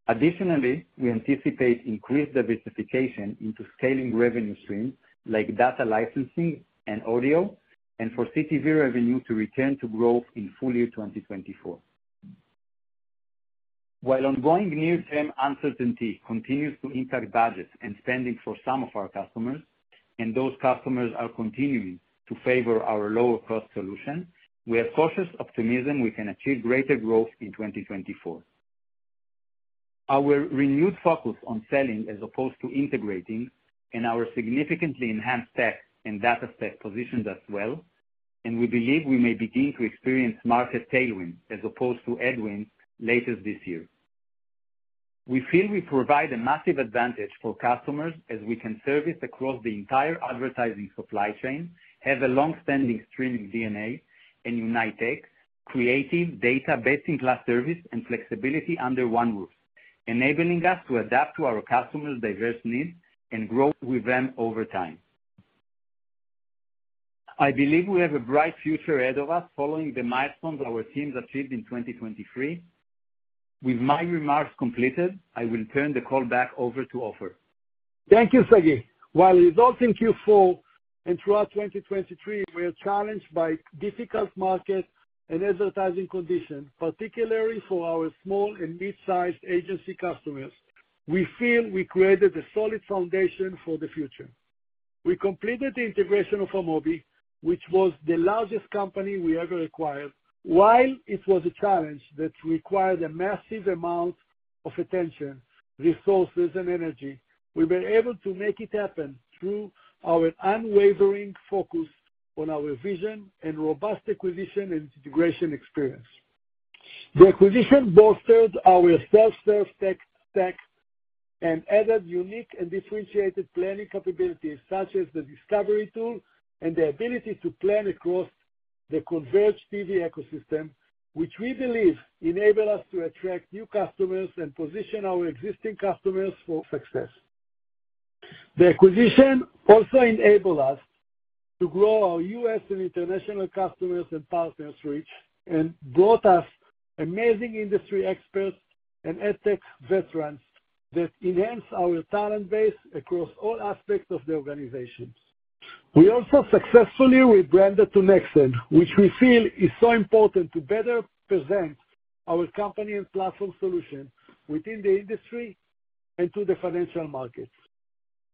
Speaker 5: Additionally, we anticipate increased diversification into scaling revenue streams like data licensing and audio, and for CTV revenue to return to growth in full year 2024. While ongoing near-term uncertainty continues to impact budgets and spending for some of our customers, and those customers are continuing to favor our lower-cost solution, we have cautious optimism we can achieve greater growth in 2024. Our renewed focus on selling as opposed to integrating and our significantly enhanced tech and data set positions us well, and we believe we may begin to experience market tailwinds as opposed to headwinds later this year. We feel we provide a massive advantage for customers as we can service across the entire advertising supply chain, have a long-standing streaming DNA and unite tech, creative, data, best-in-class service and flexibility under one roof, enabling us to adapt to our customers' diverse needs and grow with them over time. I believe we have a bright future ahead of us following the milestones our teams achieved in 2023. With my remarks completed, I will turn the call back over to Ofer.
Speaker 4: Thank you, Sagi. While results in Q4 and throughout 2023 were challenged by difficult market and advertising conditions, particularly for our small and mid-sized agency customers, we feel we created a solid foundation for the future. We completed the integration of Amobee, which was the largest company we ever acquired. While it was a challenge that required a massive amount of attention, resources, and energy, we were able to make it happen through our unwavering focus on our vision and robust acquisition and integration experience. The acquisition bolstered our self-service tech stack and added unique and differentiated planning capabilities, such as the Discovery tool and the ability to plan across the converged TV ecosystem, which we believe enable us to attract new customers and position our existing customers for success. The acquisition also enabled us to grow our U.S. and international customers and partners reach, and brought us amazing industry experts and ad tech veterans that enhance our talent base across all aspects of the organization. We also successfully rebranded to Nexxen, which we feel is so important to better present our company and platform solution within the industry and to the financial markets.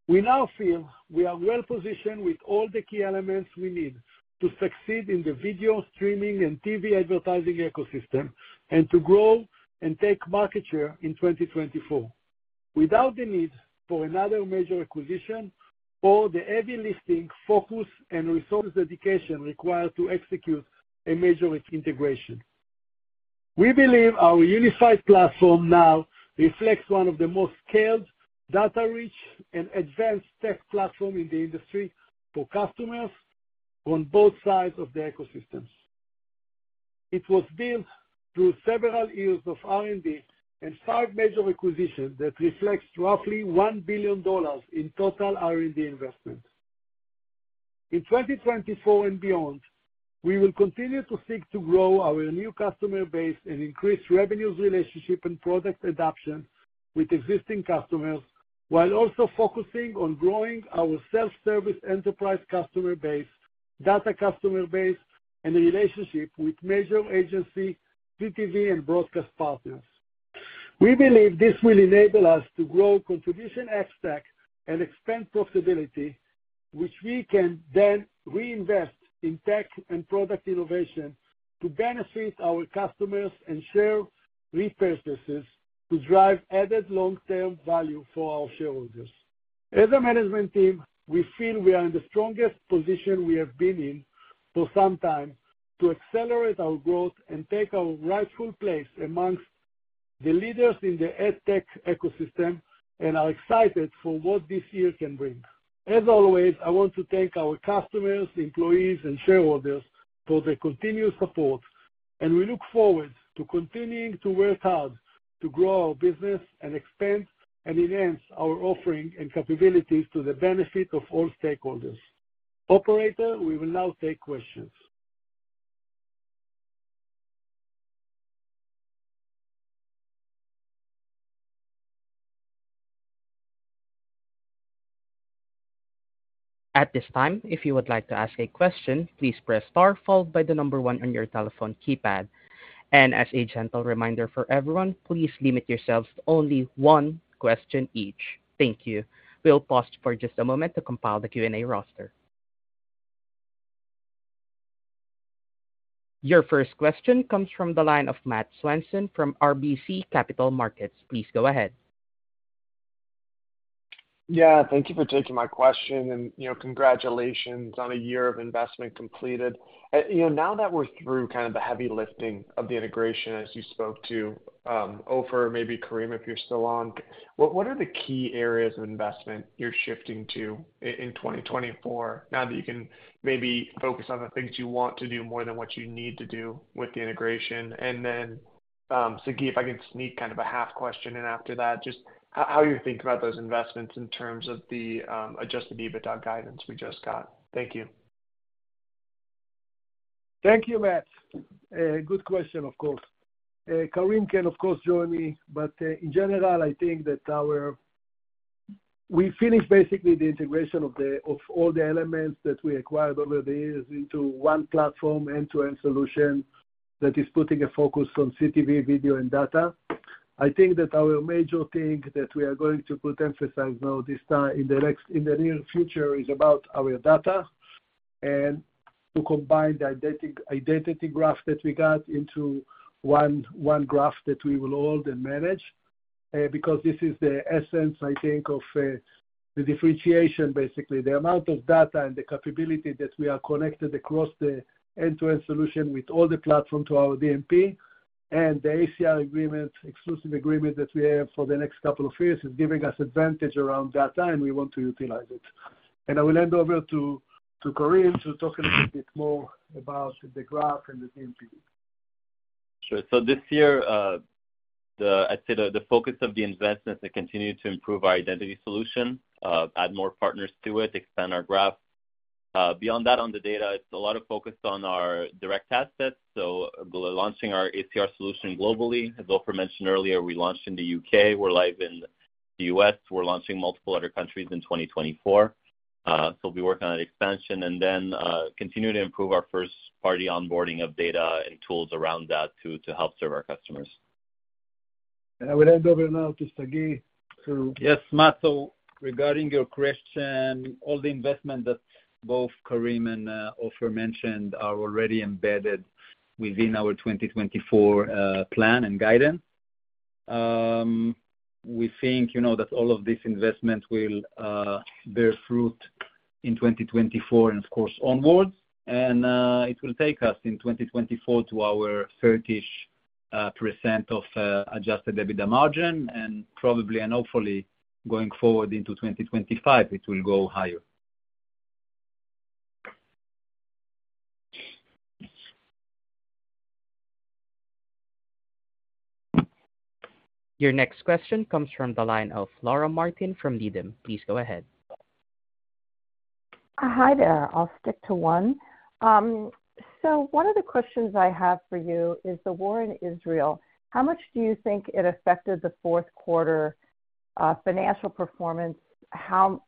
Speaker 4: We now feel we are well positioned with all the key elements we need to succeed in the video streaming and TV advertising ecosystem, and to grow and take market share in 2024, without the need for another major acquisition or the heavy lifting, focus, and resource dedication required to execute a major integration. We believe our unified platform now reflects one of the most scaled, data-rich, and advanced tech platform in the industry for customers on both sides of the ecosystems. It was built through several years of R&D and five major acquisitions that reflects roughly $1 billion in total R&D investments. In 2024 and beyond, we will continue to seek to grow our new customer base and increase revenues, relationship, and product adoption with existing customers, while also focusing on growing our self-service enterprise customer base, data customer base, and the relationship with major agency, CTV, and broadcast partners. We believe this will enable us to grow Contribution ex-TAC and expand profitability, which we can then reinvest in tech and product innovation to benefit our customers and share repurchases to drive added long-term value for our shareholders. As a management team, we feel we are in the strongest position we have been in for some time to accelerate our growth and take our rightful place amongst. The leaders in the ad tech ecosystem and are excited for what this year can bring. As always, I want to thank our customers, employees, and shareholders for their continued support, and we look forward to continuing to work hard to grow our business and expand and enhance our offering and capabilities to the benefit of all stakeholders. Operator, we will now take questions.
Speaker 1: At this time, if you would like to ask a question, please press star followed by the number one on your telephone keypad. As a gentle reminder for everyone, please limit yourselves to only one question each. Thank you. We'll pause for just a moment to compile the Q&A roster. Your first question comes from the line of Matt Swanson from RBC Capital Markets. Please go ahead.
Speaker 6: Yeah, thank you for taking my question, and, you know, congratulations on a year of investment completed. You know, now that we're through kind of the heavy lifting of the integration, as you spoke to, Ofer, maybe Karim, if you're still on, what are the key areas of investment you're shifting to in 2024, now that you can maybe focus on the things you want to do more than what you need to do with the integration? And then, Sagi, if I can sneak kind of a half question in after that, just how you think about those investments in terms of the Adjusted EBITDA guidance we just got? Thank you.
Speaker 4: Thank you, Matt. Good question, of course. Karim can, of course, join me, but, in general, I think that our. We finished basically the integration of the of all the elements that we acquired over the years into one platform, end-to-end solution, that is putting a focus on CTV, video, and data. I think that our major thing that we are going to put emphasis on now this time, in the next, in the near future, is about our data and to combine the Identity Graph that we got into one, one graph that we will own and manage. Because this is the essence, I think, of, the differentiation, basically. The amount of data and the capability that we are connected across the end-to-end solution with all the platform to our DMP and the ACR agreement, exclusive agreement that we have for the next couple of years, is giving us advantage around that time, we want to utilize it. I will hand over to Karim to talk a little bit more about the graph and the DMP.
Speaker 3: Sure. So this year, I'd say, the focus of the investment is to continue to improve our identity solution, add more partners to it, expand our graph. Beyond that, on the data, it's a lot of focus on our direct assets, so we're launching our ACR solution globally. As Ofer mentioned earlier, we launched in the U.K. We're live in the U.S. We're launching multiple other countries in 2024. So we'll be working on expansion and then, continue to improve our first-party onboarding of data and tools around that to help serve our customers.
Speaker 4: I will hand over now to Sagi to-
Speaker 5: Yes, Matt, so regarding your question, all the investment that both Karim and Ofer mentioned are already embedded within our 2024 plan and guidance. We think, you know, that all of this investment will bear fruit in 2024 and of course onwards. And it will take us in 2024 to our 30ish% of Adjusted EBITDA margin, and probably and hopefully going forward into 2025, it will go higher.
Speaker 1: Your next question comes from the line of Laura Martin from Needham. Please go ahead.
Speaker 7: Hi there. I'll stick to one. So one of the questions I have for you is the war in Israel, how much do you think it affected the fourth quarter financial performance?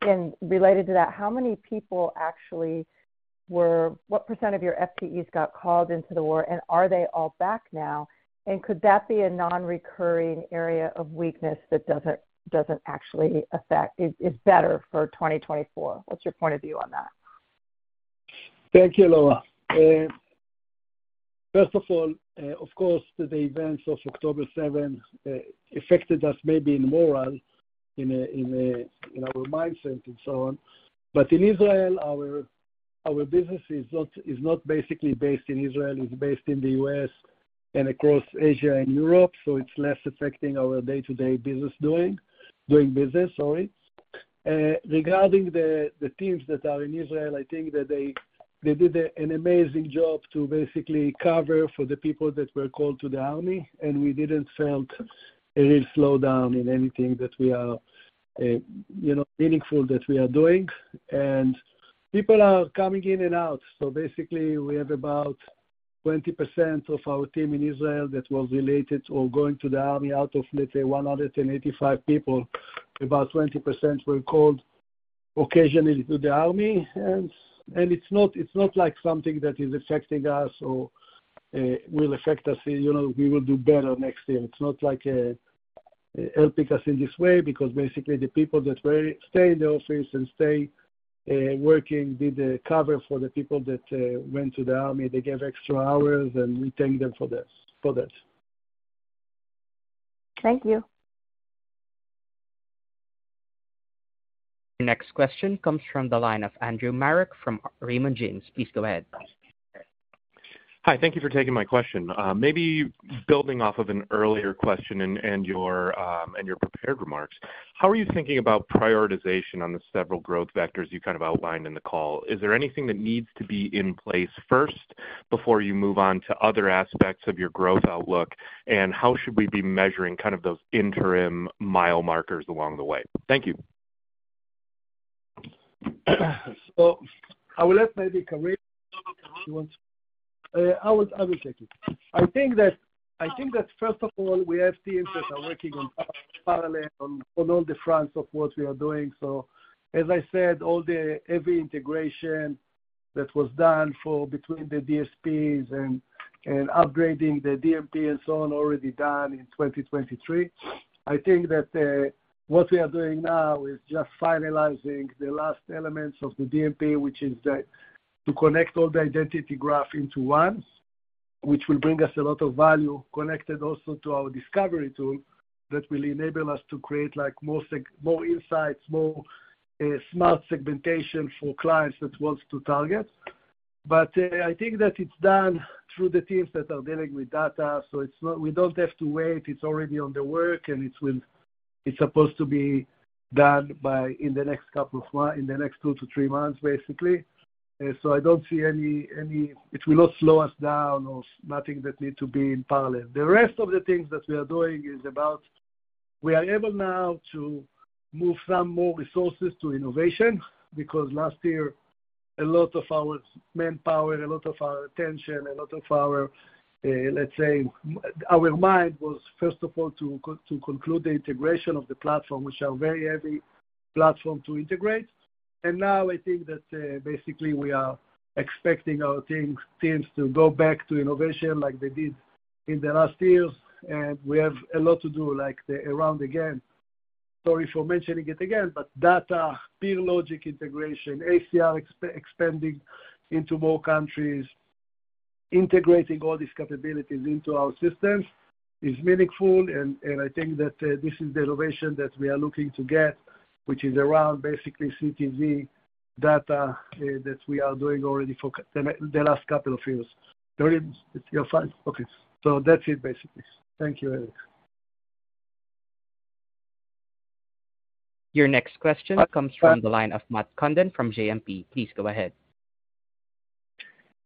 Speaker 7: And related to that, how many people actually were—what percent of your FTEs got called into the war, and are they all back now? And could that be a non-recurring area of weakness that doesn't actually affect—is better for 2024? What's your point of view on that?
Speaker 4: Thank you, Laura. First of all, of course, the events of October seventh affected us maybe in morale, in our mindset and so on. But in Israel, our business is not basically based in Israel, it's based in the U.S. and across Asia and Europe, so it's less affecting our day-to-day business doing business, sorry. Regarding the teams that are in Israel, I think that they did an amazing job to basically cover for the people that were called to the army, and we didn't felt any slowdown in anything that we are, you know, meaningful that we are doing. And people are coming in and out, so basically, we have about 20% of our team in Israel that was related or going to the army. Out of, let's say, 185 people, about 20% were called occasionally to the army. It's not like something that is affecting us or will affect us. You know, we will do better next year. It's not like affecting us in this way, because basically the people that stay in the office and stay working did the cover for the people that went to the army. They gave extra hours, and we thank them for this, for that.
Speaker 7: Thank you.
Speaker 1: Your next question comes from the line of Andrew Marok from Raymond James. Please go ahead.
Speaker 8: Hi, thank you for taking my question. Maybe building off of an earlier question and your prepared remarks, how are you thinking about prioritization on the several growth vectors you kind of outlined in the call? Is there anything that needs to be in place first before you move on to other aspects of your growth outlook? And how should we be measuring kind of those interim mile markers along the way? Thank you.
Speaker 4: So I will let maybe Karim, if he wants... I will, I will take it. I think that, I think that first of all, we have teams that are working on parallel, on, on all the fronts of what we are doing. So as I said, all the—every integration that was done for between the DSPs and, and upgrading the DMP and so on, already done in 2023. I think that, what we are doing now is just finalizing the last elements of the DMP, which is the, to connect all the Identity Graph into one, which will bring us a lot of value, connected also to our Discovery tool, that will enable us to create, like, more seg—more insights, more, smart segmentation for clients that wants to target. But I think that it's done through the teams that are dealing with data, so it's not—we don't have to wait. It's already in the works, and it will, it's supposed to be done by, in the next couple of—in the next 2-3 months, basically. So I don't see any... It will not slow us down or nothing that need to be in parallel. The rest of the things that we are doing is about, we are able now to move some more resources to innovation, because last year, a lot of our manpower, a lot of our attention, a lot of our, let's say, our mind, was first of all, to conclude the integration of the platform, which are very heavy platform to integrate. And now I think that basically we are expecting our teams to go back to innovation like they did in the last years. And we have a lot to do, like the around again. Sorry for mentioning it again, but data, PeerLogix integration, ACR expanding into more countries, integrating all these capabilities into our systems is meaningful. And I think that this is the innovation that we are looking to get, which is around basically CTV data that we are doing already for the last couple of years. Sorry, you're fine? Okay. So that's it, basically. Thank you, Eric.
Speaker 1: Your next question comes from the line of Matt Condon from JMP. Please go ahead.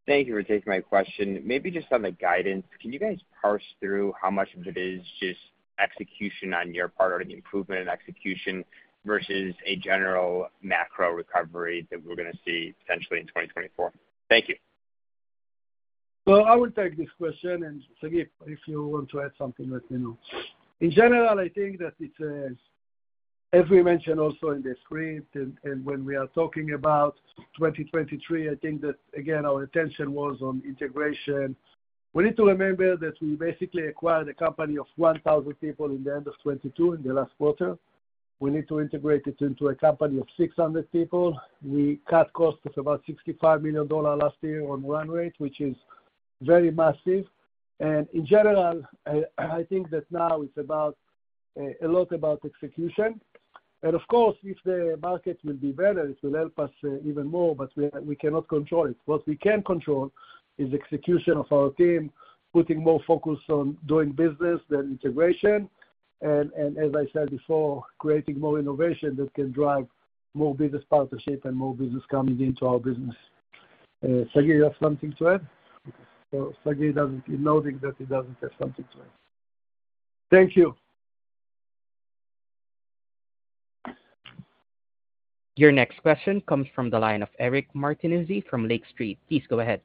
Speaker 9: Thank you for taking my question. Maybe just on the guidance, can you guys parse through how much of it is just execution on your part, or the improvement in execution, versus a general macro recovery that we're gonna see potentially in 2024? Thank you.
Speaker 4: Well, I will take this question, and Sagi, if you want to add something, let me know. In general, I think that it's, as we mentioned also in the script and when we are talking about 2023, I think that again, our attention was on integration. We need to remember that we basically acquired a company of 1,000 people in the end of 2022, in the last quarter. We need to integrate it into a company of 600 people. We cut costs of about $65 million last year on run rate, which is very massive. In general, I think that now it's about a lot about execution. And of course, if the market will be better, it will help us even more, but we cannot control it. What we can control is execution of our team, putting more focus on doing business than integration, and, and as I said before, creating more innovation that can drive more business partnership and more business coming into our business. Sagi, you have something to add? So Sagi doesn't, he's nodding that he doesn't have something to add. Thank you.
Speaker 1: Your next question comes from the line of Eric Martinuzzi from Lake Street. Please go ahead.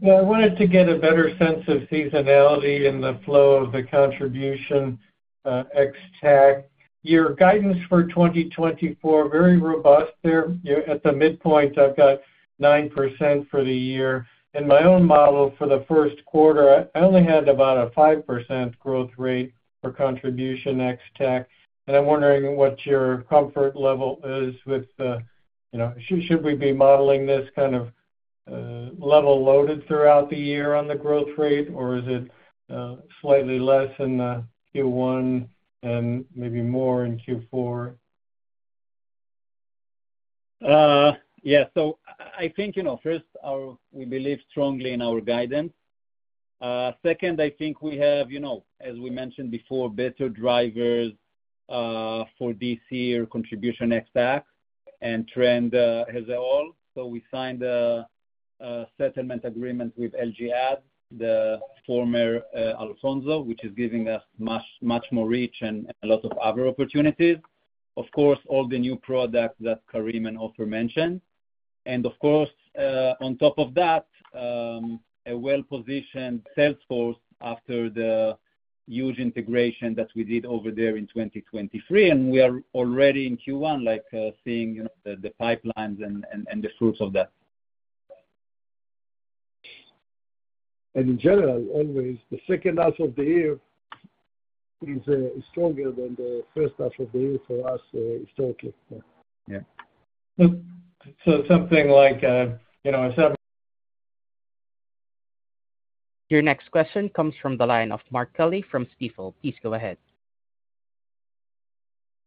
Speaker 10: Yeah, I wanted to get a better sense of seasonality and the flow of the contribution ex-TAC. Your guidance for 2024, very robust there. You know, at the midpoint, I've got 9% for the year. In my own model for the first quarter, I only had about a 5% growth rate for contribution ex-TAC, and I'm wondering what your comfort level is with, you know, should we be modeling this kind of level loaded throughout the year on the growth rate, or is it slightly less in the Q1 and maybe more in Q4?
Speaker 5: Yeah. So I think, you know, first, our. We believe strongly in our guidance. Second, I think we have, you know, as we mentioned before, better drivers for this year, contribution ex-TAC and trends, as well. So we signed a settlement agreement with LG Ads, the former Alphonso, which is giving us much, much more reach and a lot of other opportunities. Of course, all the new products that Karim and Ofer mentioned, and of course, on top of that, a well-positioned sales force after the huge integration that we did over there in 2023, and we are already in Q1, like, seeing, you know, the pipelines and the fruits of that.
Speaker 4: In general, always, the second half of the year is stronger than the first half of the year for us, historically.
Speaker 5: Yeah.
Speaker 8: So, something like, you know, I saw-
Speaker 1: Your next question comes from the line of Mark Kelley from Stifel. Please go ahead.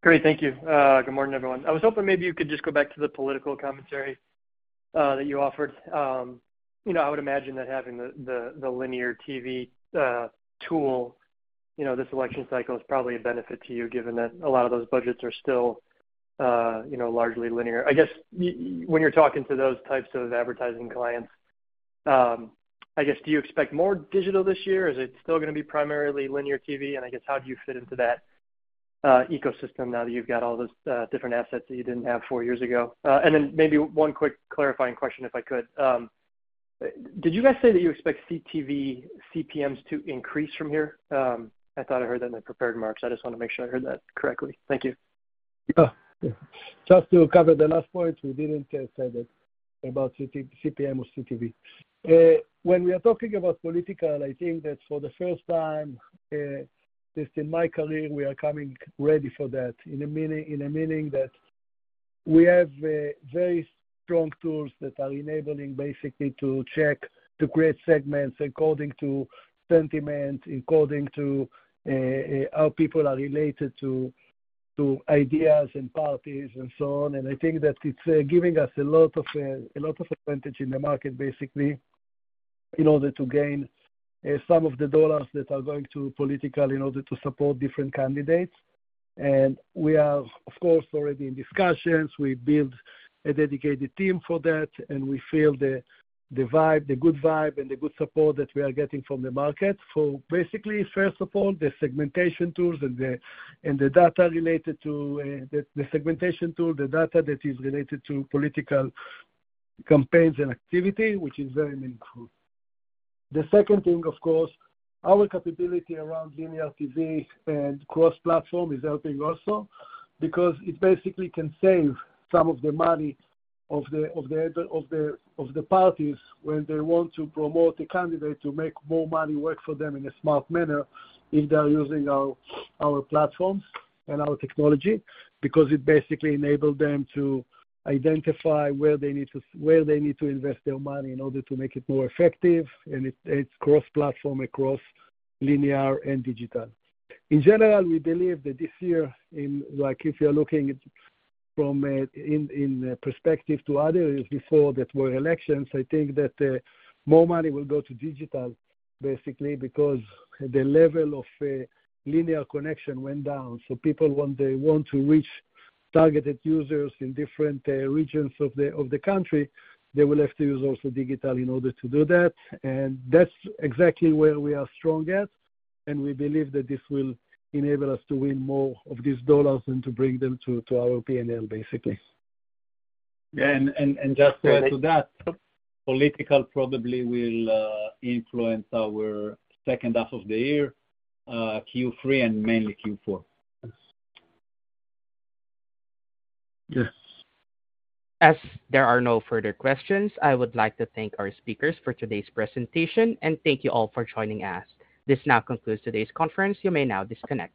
Speaker 11: Great. Thank you. Good morning, everyone. I was hoping maybe you could just go back to the political commentary that you offered. You know, I would imagine that having the linear TV tool, you know, this election cycle is probably a benefit to you, given that a lot of those budgets are still, you know, largely linear. I guess when you're talking to those types of advertising clients, I guess, do you expect more digital this year? Is it still gonna be primarily linear TV? And I guess, how do you fit into that ecosystem now that you've got all those different assets that you didn't have four years ago? And then maybe one quick clarifying question, if I could. Did you guys say that you expect CTV CPMs to increase from here? I thought I heard that in the prepared remarks. I just wanna make sure I heard that correctly. Thank you.
Speaker 4: Yeah. Just to cover the last point, we didn't say that about CTV CPM or CTV. When we are talking about political, I think that for the first time, at least in my career, we are coming ready for that, in a meaning, in a meaning that we have very strong tools that are enabling basically to check, to create segments according to sentiment, according to how people are related to ideas and parties, and so on. And I think that it's giving us a lot of, a lot of advantage in the market, basically, in order to gain some of the dollars that are going to political in order to support different candidates. And we are, of course, already in discussions. We build a dedicated team for that, and we feel the vibe, the good vibe and the good support that we are getting from the market. So basically, first of all, the segmentation tools and the data related to the segmentation tool, the data that is related to political campaigns and activity, which is very meaningful. The second thing, of course, our capability around linear TV and cross-platform is helping also, because it basically can save some of the money of the parties when they want to promote a candidate to make more money work for them in a smart manner if they're using our platforms and our technology. Because it basically enable them to identify where they need to invest their money in order to make it more effective, and it, it's cross-platform, across linear and digital. In general, we believe that this year, like, if you're looking at from a perspective to others before that were elections, I think that more money will go to digital, basically, because the level of linear connection went down. So people, when they want to reach targeted users in different regions of the country, they will have to use also digital in order to do that, and that's exactly where we are strong at. And we believe that this will enable us to win more of these dollars and to bring them to our P&L, basically.
Speaker 5: Just to that, politics probably will influence our second half of the year, Q3 and mainly Q4.
Speaker 4: Yes.
Speaker 1: As there are no further questions, I would like to thank our speakers for today's presentation, and thank you all for joining us. This now concludes today's conference. You may now disconnect.